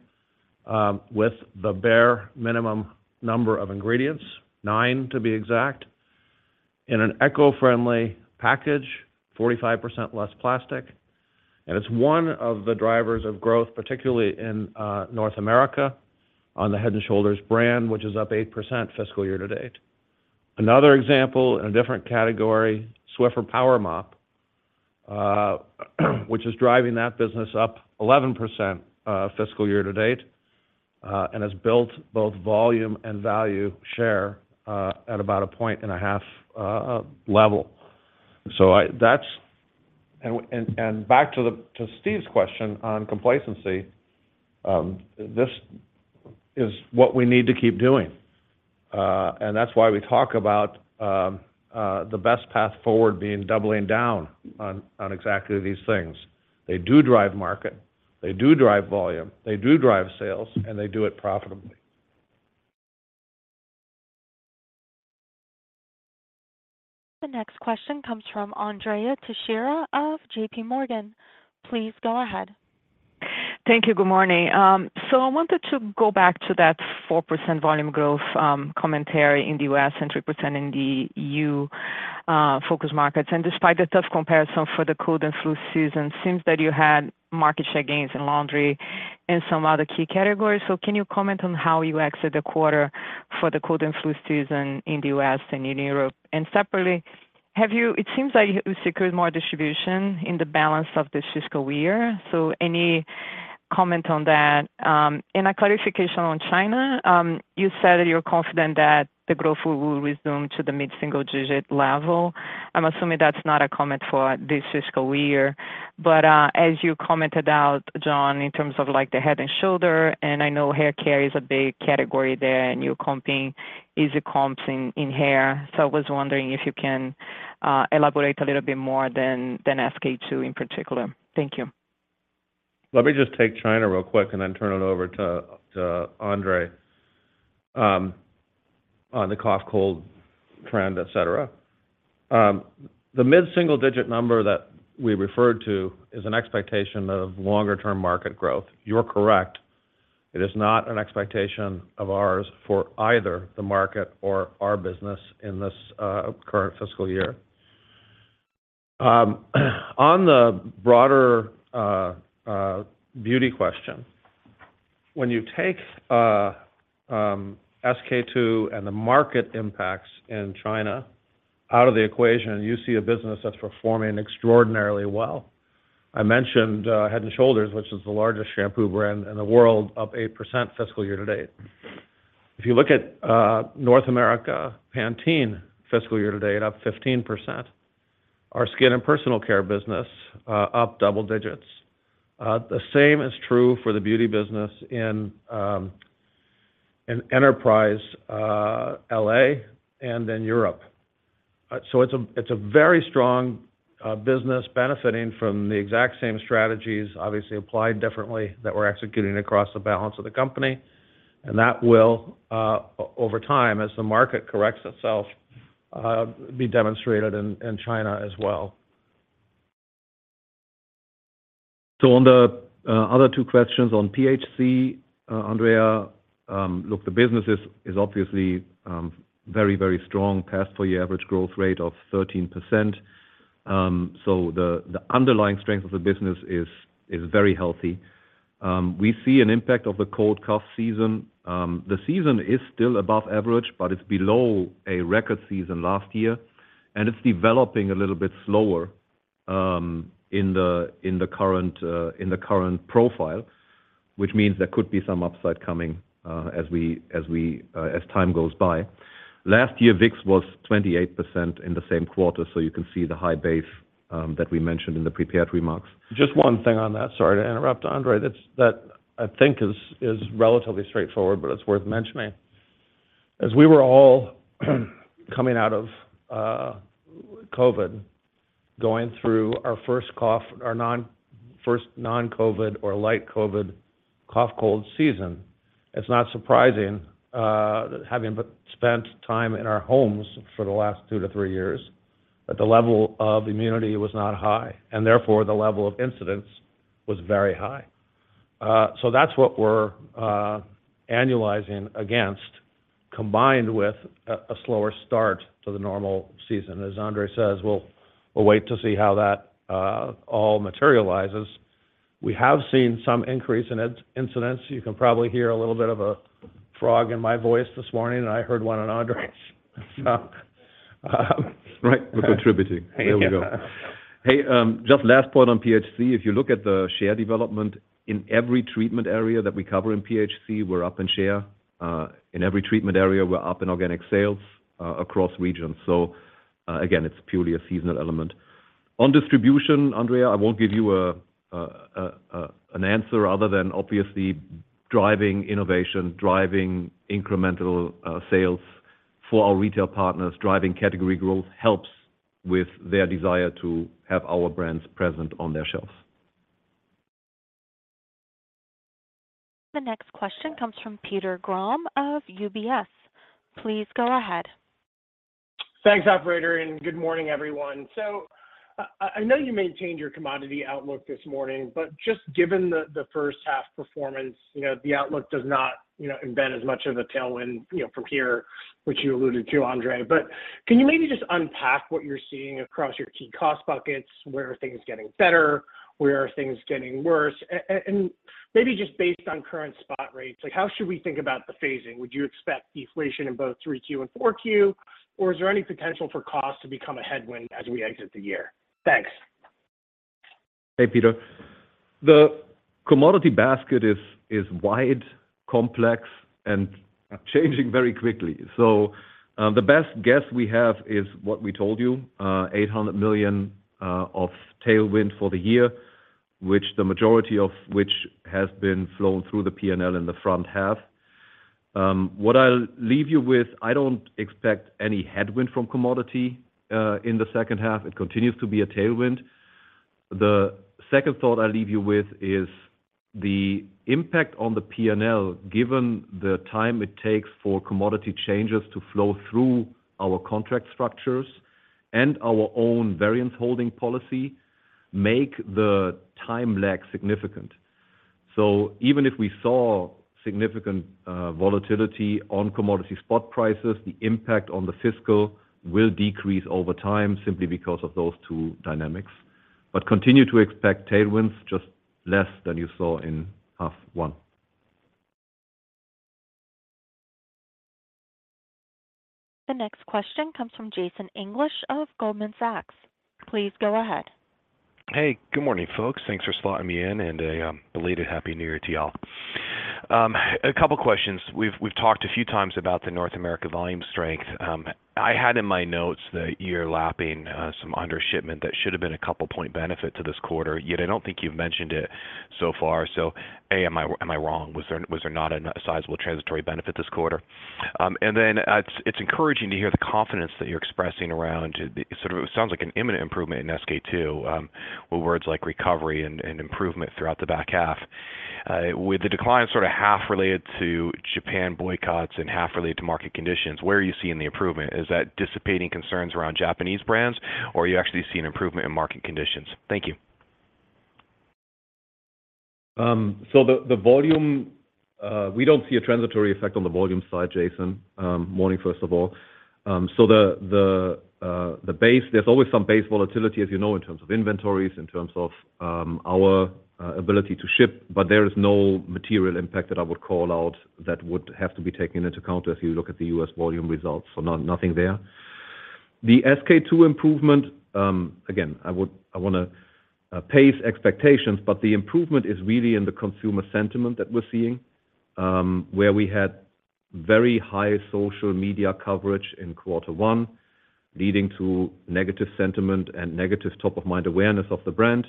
with the bare minimum number of ingredients, 9, to be exact, in an eco-friendly package, 45% less plastic. And it's one of the drivers of growth, particularly in North America, on the Head & Shoulders brand, which is up 8% fiscal year to date. Another example in a different category, Swiffer PowerMop, which is driving that business up 11%, fiscal year to date, and has built both volume and value share, at about a point and a half level. So that's and back to Steve's question on complacency, this is what we need to keep doing. And that's why we talk about the best path forward being doubling down on exactly these things. They do drive market, they do drive volume, they do drive sales, and they do it profitably. The next question comes from Andrea Teixeira of JPMorgan. Please go ahead. Thank you. Good morning. So I wanted to go back to that 4% volume growth commentary in the U.S., and 3% in the E.U. focus markets. Despite the tough comparison for the cold and flu season, it seems that you had market share gains in laundry and some other key categories. So can you comment on how you exit the quarter for the cold and flu season in the U.S. and in Europe? And separately, have you—it seems like you secured more distribution in the balance of this fiscal year, so any comment on that? And a clarification on China. You said that you're confident that the growth will resume to the mid-single-digit level. I'm assuming that's not a comment for this fiscal year, but, as you commented out, Jon, in terms of, like, the Head & Shoulders, and I know hair care is a big category there, and you're comping easy comps in hair. So I was wondering if you can elaborate a little bit more than SK-II in particular. Thank you. Let me just take China real quick and then turn it over to Andre on the cough, cold trend, et cetera. The mid-single-digit number that we referred to is an expectation of longer-term market growth. You're correct, it is not an expectation of ours for either the market or our business in this current fiscal year. On the broader beauty question, when you take SK-II and the market impacts in China out of the equation, you see a business that's performing extraordinarily well. I mentioned Head & Shoulders, which is the largest shampoo brand in the world, up 8% fiscal year to date. If you look at North America, Pantene, fiscal year to date, up 15%. Our skin and personal care business up double digits. The same is true for the beauty business in Enterprise, Latin America, and then Europe. So it's a very strong business, benefiting from the exact same strategies, obviously applied differently, that we're executing across the balance of the company, and that will, over time, as the market corrects itself, be demonstrated in China as well. So on the other two questions on PHC, Andrea, look, the business is obviously very, very strong. Past full year average growth rate of 13%. So the underlying strength of the business is very healthy. We see an impact of the cold and cough season. The season is still above average, but it's below a record season last year, and it's developing a little bit slower in the current profile, which means there could be some upside coming as time goes by. Last year, Vicks was 28% in the same quarter, so you can see the high base that we mentioned in the prepared remarks. Just one thing on that. Sorry to interrupt, Andre. That's that I think is relatively straightforward, but it's worth mentioning. As we were all coming out of COVID, going through our first non-COVID or light COVID cough, cold season, it's not surprising, having spent time in our homes for the last two to three years, that the level of immunity was not high, and therefore, the level of incidence was very high. So that's what we're annualizing against, combined with a slower start to the normal season. As Andre says, we'll wait to see how that all materializes. We have seen some increase in incidence. You can probably hear a little bit of a frog in my voice this morning, and I heard one in Andre's. Right. We're contributing. There we go. Hey, just last point on PHC. If you look at the share development, in every treatment area that we cover in PHC, we're up in share. In every treatment area, we're up in organic sales across regions. So, again, it's purely a seasonal element. On distribution, Andrea, I won't give you a, an answer other than obviously, driving innovation, driving incremental sales for our retail partners, driving category growth, helps with their desire to have our brands present on their shelves. The next question comes from Peter Grom of UBS. Please go ahead. Thanks, operator, and good morning, everyone. So I know you maintained your commodity outlook this morning, but just given the first half performance, you know, the outlook does not, you know, invent as much of a tailwind, you know, from here, which you alluded to, Andre. But can you maybe just unpack what you're seeing across your key cost buckets? Where are things getting better? Where are things getting worse? And maybe just based on current spot rates, like, how should we think about the phasing? Would you expect deflation in both 3Q and 4Q, or is there any potential for cost to become a headwind as we exit the year? Thanks. Hey, Peter. The commodity basket is wide, complex, and changing very quickly. So, the best guess we have is what we told you, $800 million of tailwind for the year, which the majority of which has been flown through the P&L in the front half. What I'll leave you with, I don't expect any headwind from commodity in the second half. It continues to be a tailwind. The second thought I'll leave you with is the impact on the P&L, given the time it takes for commodity changes to flow through our contract structures and our own variance holding policy, make the time lag significant. So even if we saw significant volatility on commodity spot prices, the impact on the fiscal will decrease over time simply because of those two dynamics. But continue to expect tailwinds just less than you saw in half one. The next question comes from Jason English of Goldman Sachs. Please go ahead. Hey, good morning, folks. Thanks for slotting me in, and a belated Happy New Year to y'all. A couple questions. We've talked a few times about the North America volume strength. I had in my notes that you're lapping some under shipment that should have been a couple point benefit to this quarter, yet I don't think you've mentioned it so far. So, am I wrong? Was there not a sizable transitory benefit this quarter? And then, it's encouraging to hear the confidence that you're expressing around sort of it sounds like an imminent improvement in SK-II, with words like recovery and improvement throughout the back half. With the decline sort of half related to Japan boycotts and half related to market conditions, where are you seeing the improvement? Is that dissipating concerns around Japanese brands, or are you actually seeing improvement in market conditions? Thank you. So the volume we don't see a transitory effect on the volume side, Jason. Morning, first of all. So there's always some base volatility, as you know, in terms of inventories, in terms of our ability to ship, but there is no material impact that I would call out that would have to be taken into account as you look at the U.S. volume results. So nothing there. The SK-II improvement, again, I wanna pace expectations, but the improvement is really in the consumer sentiment that we're seeing, where we had very high social media coverage in quarter one, leading to negative sentiment and negative top-of-mind awareness of the brand.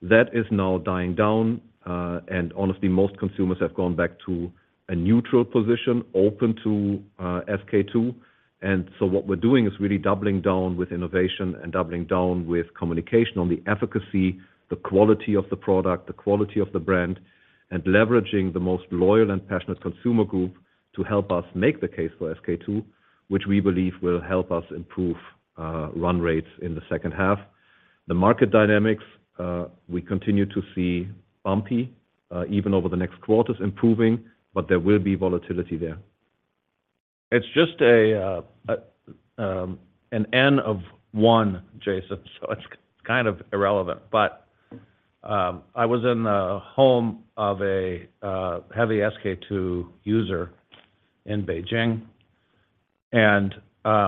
That is now dying down, and honestly, most consumers have gone back to a neutral position, open to SK-II. So what we're doing is really doubling down with innovation and doubling down with communication on the efficacy, the quality of the product, the quality of the brand, and leveraging the most loyal and passionate consumer group to help us make the case for SK-II, which we believe will help us improve run rates in the second half. The market dynamics, we continue to see bumpy, even over the next quarters improving, but there will be volatility there. It's just an N of one, Jason, so it's kind of irrelevant. But I was in the home of a heavy SK-II user in Beijing, and I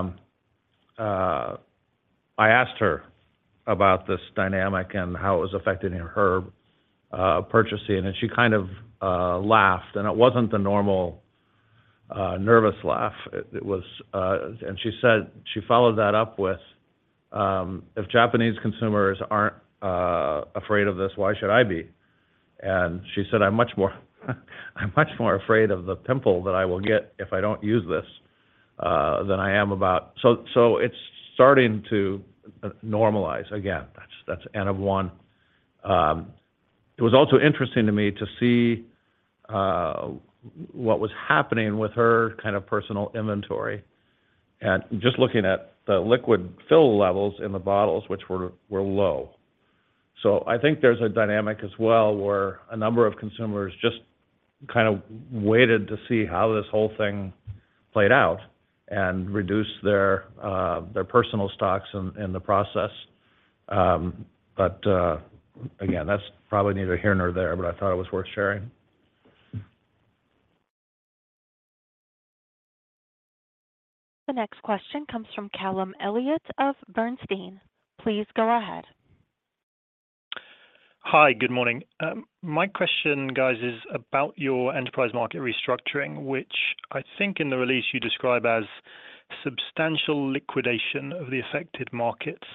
asked her about this dynamic and how it was affecting her purchasing, and she kind of laughed, and it wasn't the normal nervous laugh. It was. And she said. She followed that up with, "If Japanese consumers aren't afraid of this, why should I be?" And she said, "I'm much more afraid of the pimple that I will get if I don't use this than I am about..." So it's starting to normalize. Again, that's N of one. It was also interesting to me to see what was happening with her kind of personal inventory, and just looking at the liquid fill levels in the bottles, which were low. So I think there's a dynamic as well, where a number of consumers just kind of waited to see how this whole thing played out and reduced their their personal stocks in the process. But again, that's probably neither here nor there, but I thought it was worth sharing. The next question comes from Callum Elliott of Bernstein. Please go ahead. Hi, good morning. My question, guys, is about your enterprise market restructuring, which I think in the release you describe as substantial liquidation of the affected markets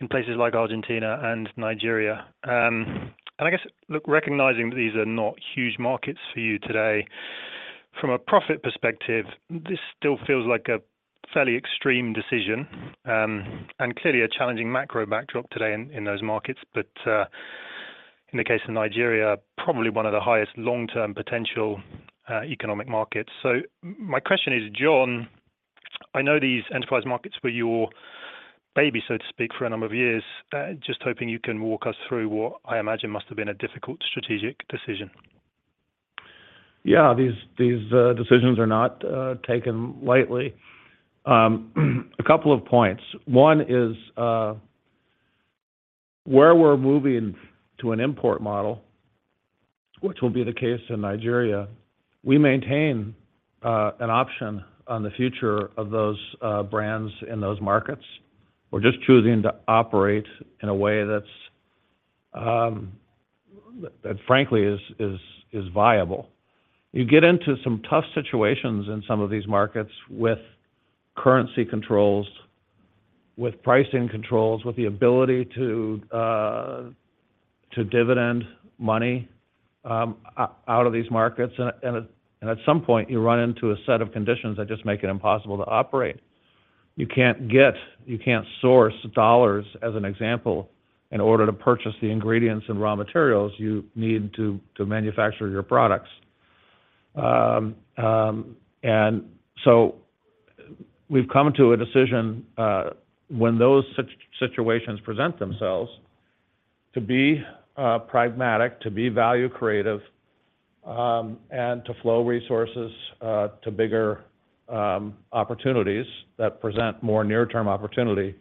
in places like Argentina and Nigeria. And I guess, look, recognizing that these are not huge markets for you today, from a profit perspective, this still feels like a fairly extreme decision, and clearly a challenging macro backdrop today in those markets. But in the case of Nigeria, probably one of the highest long-term potential economic markets. So my question is, Jon, I know these enterprise markets were your baby, so to speak, for a number of years. Just hoping you can walk us through what I imagine must have been a difficult strategic decision. Yeah, these decisions are not taken lightly. A couple of points. One is, where we're moving to an import model, which will be the case in Nigeria, we maintain an option on the future of those brands in those markets. We're just choosing to operate in a way that's that frankly is viable. You get into some tough situations in some of these markets with currency controls, with pricing controls, with the ability to dividend money out of these markets. And at some point, you run into a set of conditions that just make it impossible to operate. You can't source dollars, as an example, in order to purchase the ingredients and raw materials you need to manufacture your products. And so we've come to a decision, when those situations present themselves, to be pragmatic, to be value creative, and to flow resources to bigger opportunities that present more near-term opportunity,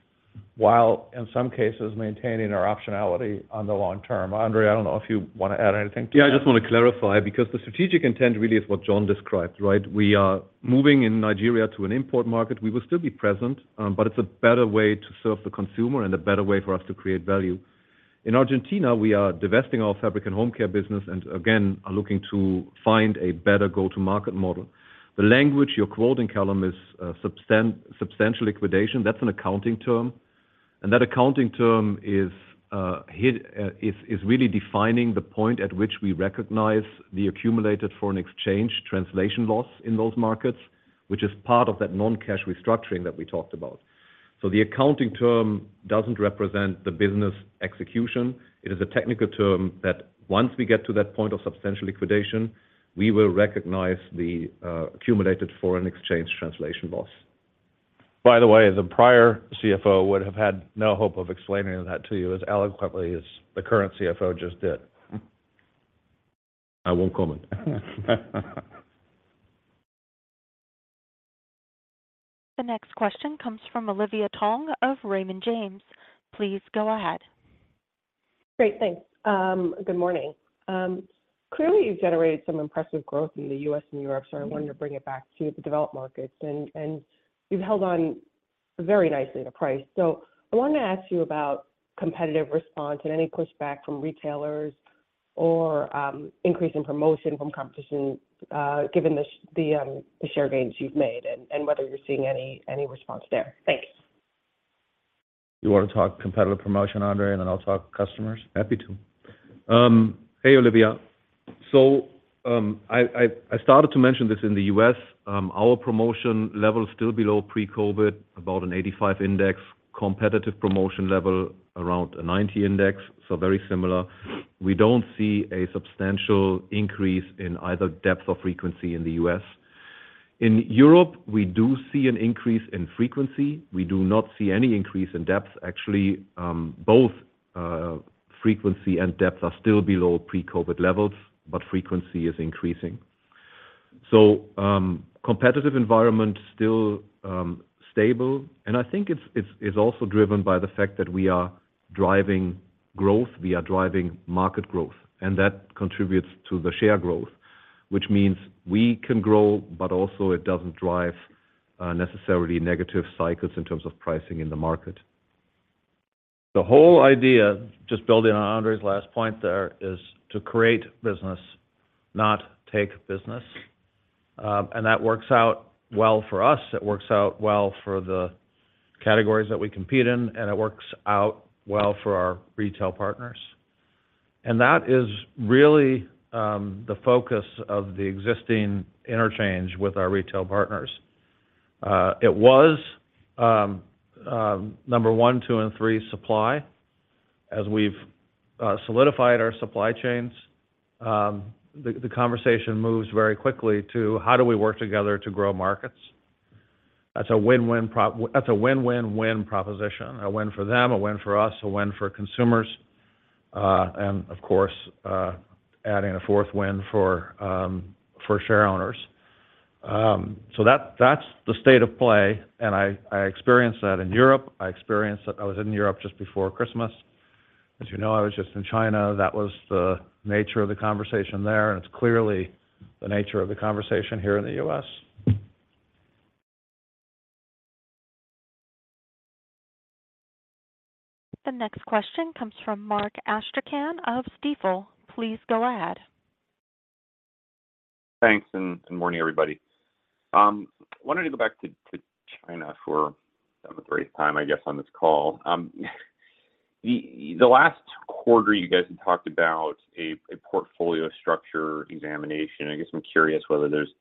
while, in some cases, maintaining our optionality on the long term. Andre, I don't know if you want to add anything to that? Yeah, I just want to clarify, because the strategic intent really is what Jon described, right? We are moving in Nigeria to an import market. We will still be present, but it's a better way to serve the consumer and a better way for us to create value. In Argentina, we are divesting our Fabric and Home Care business and again, are looking to find a better go-to-market model. The language you're quoting, Callum, is substantial liquidation. That's an accounting term, and that accounting term is really defining the point at which we recognize the accumulated foreign exchange translation loss in those markets, which is part of that non-cash restructuring that we talked about. So the accounting term doesn't represent the business execution. It is a technical term that once we get to that point of Substantial Liquidation, we will recognize the accumulated foreign exchange translation loss. By the way, the prior CFO would have had no hope of explaining that to you as eloquently as the current CFO just did. I won't comment. The next question comes from Olivia Tong of Raymond James. Please go ahead. Great, thanks. Good morning. Clearly, you've generated some impressive growth in the U.S. and Europe. Yeah. So I wanted to bring it back to the developed markets. And you've held on very nicely to price. So I want to ask you about competitive response and any pushback from retailers or increase in promotion from competition, given the share gains you've made, and whether you're seeing any response there. Thanks. You wanna talk competitive promotion, Andre, and then I'll talk customers? Happy to. Hey, Olivia. So, I started to mention this in the U.S., our promotion level is still below pre-COVID, about an 85 index, competitive promotion level, around a 90 index, so very similar. We don't see a substantial increase in either depth or frequency in the U.S. In Europe, we do see an increase in frequency. We do not see any increase in depth. Actually, both frequency and depth are still below pre-COVID levels, but frequency is increasing. So, competitive environment is still stable, and I think it's also driven by the fact that we are driving growth, we are driving market growth, and that contributes to the share growth, which means we can grow, but also it doesn't drive necessarily negative cycles in terms of pricing in the market. The whole idea, just building on Andre's last point there, is to create business, not take business. That works out well for us, it works out well for the categories that we compete in, and it works out well for our retail partners. That is really the focus of the existing interchange with our retail partners. It was number one, two, and three, supply. As we've solidified our supply chains, the conversation moves very quickly to: How do we work together to grow markets? That's a win-win-win proposition. A win for them, a win for us, a win for consumers, and of course, adding a fourth win for shareowners. So that's the state of play, and I experienced that in Europe. I experienced that. I was in Europe just before Christmas. As you know, I was just in China. That was the nature of the conversation there, and it's clearly the nature of the conversation here in the U.S. The next question comes from Mark Astrachan of Stifel. Please go ahead. Thanks, and good morning, everybody. Wanted to go back to China for the seventh or eighth time, I guess, on this call. The last quarter, you guys had talked about a portfolio structure examination. I guess I'm curious whether there's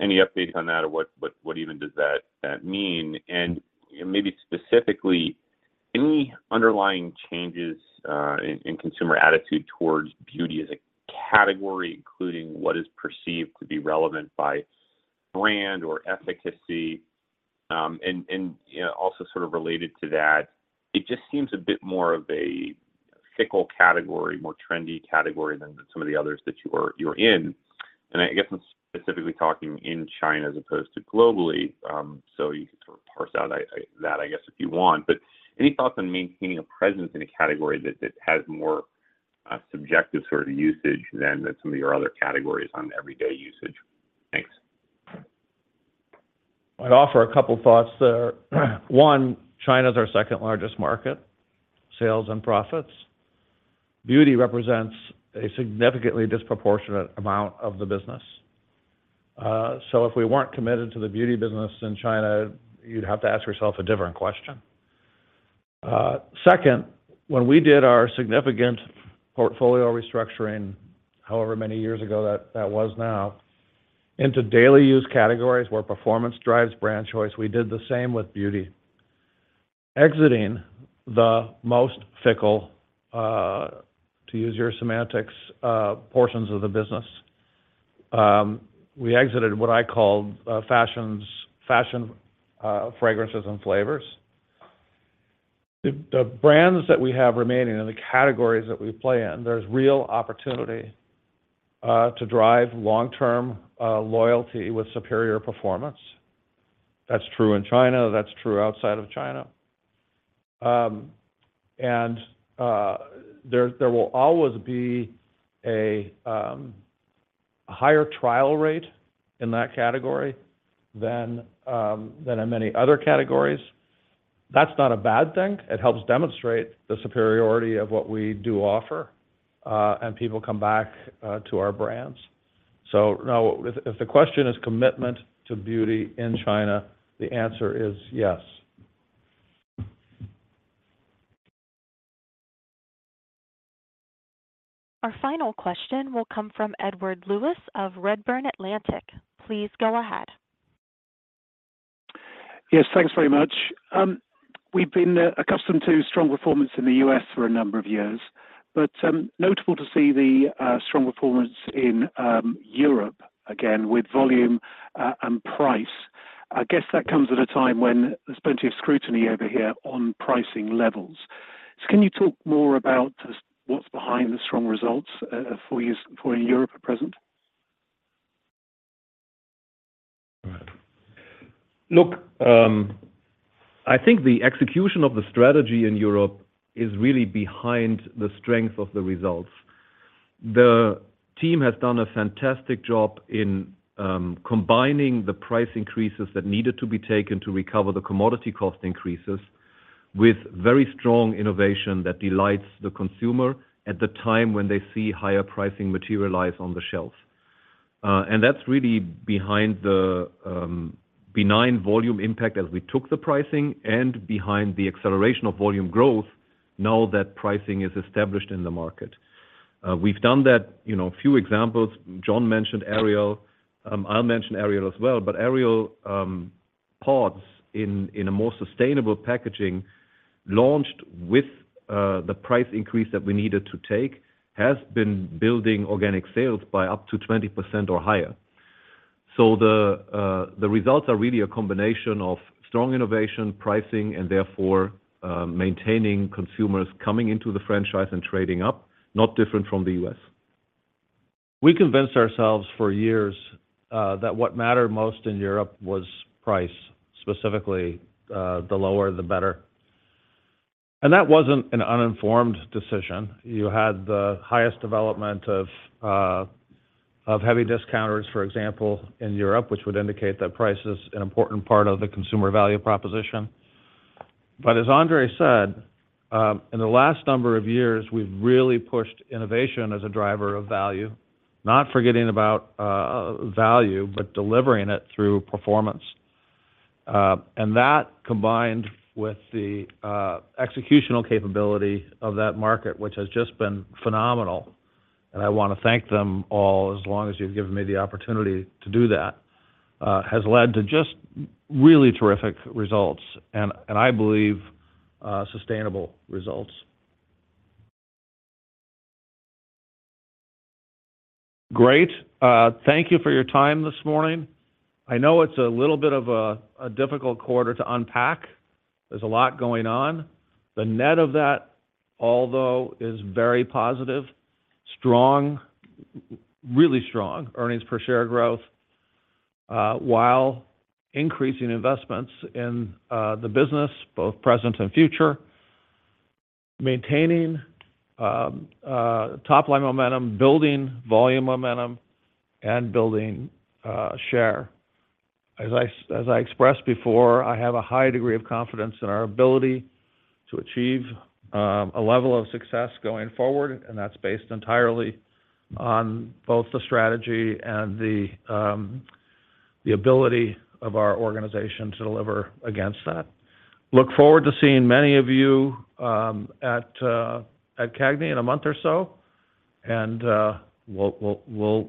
any updates on that, or what even does that mean? And maybe specifically, any underlying changes in consumer attitude towards beauty as a category, including what is perceived to be relevant by brand or efficacy? And you know, also sort of related to that, it just seems a bit more of a fickle category, more trendy category than some of the others that you're in. And I guess I'm specifically talking in China as opposed to globally, so you can sort of parse out that, I guess, if you want. But any thoughts on maintaining a presence in a category that has more subjective sort of usage than some of your other categories on everyday usage? Thanks. I'd offer a couple thoughts there. One, China's our second largest market, sales and profits. Beauty represents a significantly disproportionate amount of the business. So if we weren't committed to the beauty business in China, you'd have to ask yourself a different question. Second, when we did our significant portfolio restructuring, however many years ago that that was now, into daily use categories where performance drives brand choice, we did the same with beauty. Exiting the most fickle, to use your semantics, portions of the business, we exited what I call fashions, fashion, fragrances and flavors. The brands that we have remaining and the categories that we play in, there's real opportunity to drive long-term loyalty with superior performance. That's true in China, that's true outside of China. And, there will always be a higher trial rate in that category than in many other categories. That's not a bad thing. It helps demonstrate the superiority of what we do offer, and people come back to our brands. So now, if the question is commitment to beauty in China, the answer is yes. Our final question will come from Edward Lewis of Redburn Atlantic. Please go ahead. Yes, thanks very much. We've been accustomed to strong performance in the U.S. for a number of years, but notable to see the strong performance in Europe again, with volume and price. I guess that comes at a time when there's plenty of scrutiny over here on pricing levels. So can you talk more about just what's behind the strong results for years in Europe at present? Look, I think the execution of the strategy in Europe is really behind the strength of the results. The team has done a fantastic job in combining the price increases that needed to be taken to recover the commodity cost increases, with very strong innovation that delights the consumer at the time when they see higher pricing materialize on the shelves. And that's really behind the benign volume impact as we took the pricing and behind the acceleration of volume growth now that pricing is established in the market. We've done that, you know, a few examples. Jon mentioned Ariel. I'll mention Ariel as well, but Ariel PODS in a more sustainable packaging, launched with the price increase that we needed to take, has been building organic sales by up to 20% or higher. So the results are really a combination of strong innovation, pricing and therefore, maintaining consumers coming into the franchise and trading up, not different from the U.S. We convinced ourselves for years that what mattered most in Europe was price, specifically, the lower, the better. And that wasn't an uninformed decision. You had the highest development of heavy discounters, for example, in Europe, which would indicate that price is an important part of the consumer value proposition. But as Andre said, in the last number of years, we've really pushed innovation as a driver of value, not forgetting about value, but delivering it through performance. And that, combined with the executional capability of that market, which has just been phenomenal, and I want to thank them all, as long as you've given me the opportunity to do that, has led to just really terrific results and I believe sustainable results. Great, thank you for your time this morning. I know it's a little bit of a difficult quarter to unpack. There's a lot going on. The net of that, although, is very positive. Strong, really strong earnings per share growth, while increasing investments in the business, both present and future, maintaining top line momentum, building volume momentum, and building share. As I expressed before, I have a high degree of confidence in our ability to achieve a level of success going forward, and that's based entirely on both the strategy and the ability of our organization to deliver against that. Look forward to seeing many of you at CAGNY in a month or so, and we'll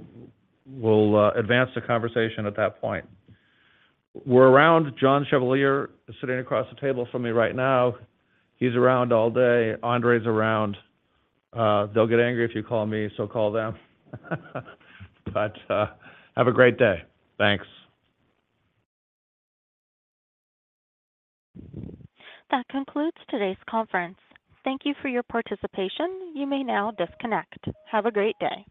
advance the conversation at that point. We're around, John Chevalier is sitting across the table from me right now. He's around all day. Andre's around. They'll get angry if you call me, so call them. But, have a great day. Thanks. That concludes today's conference. Thank you for your participation. You may now disconnect. Have a great day!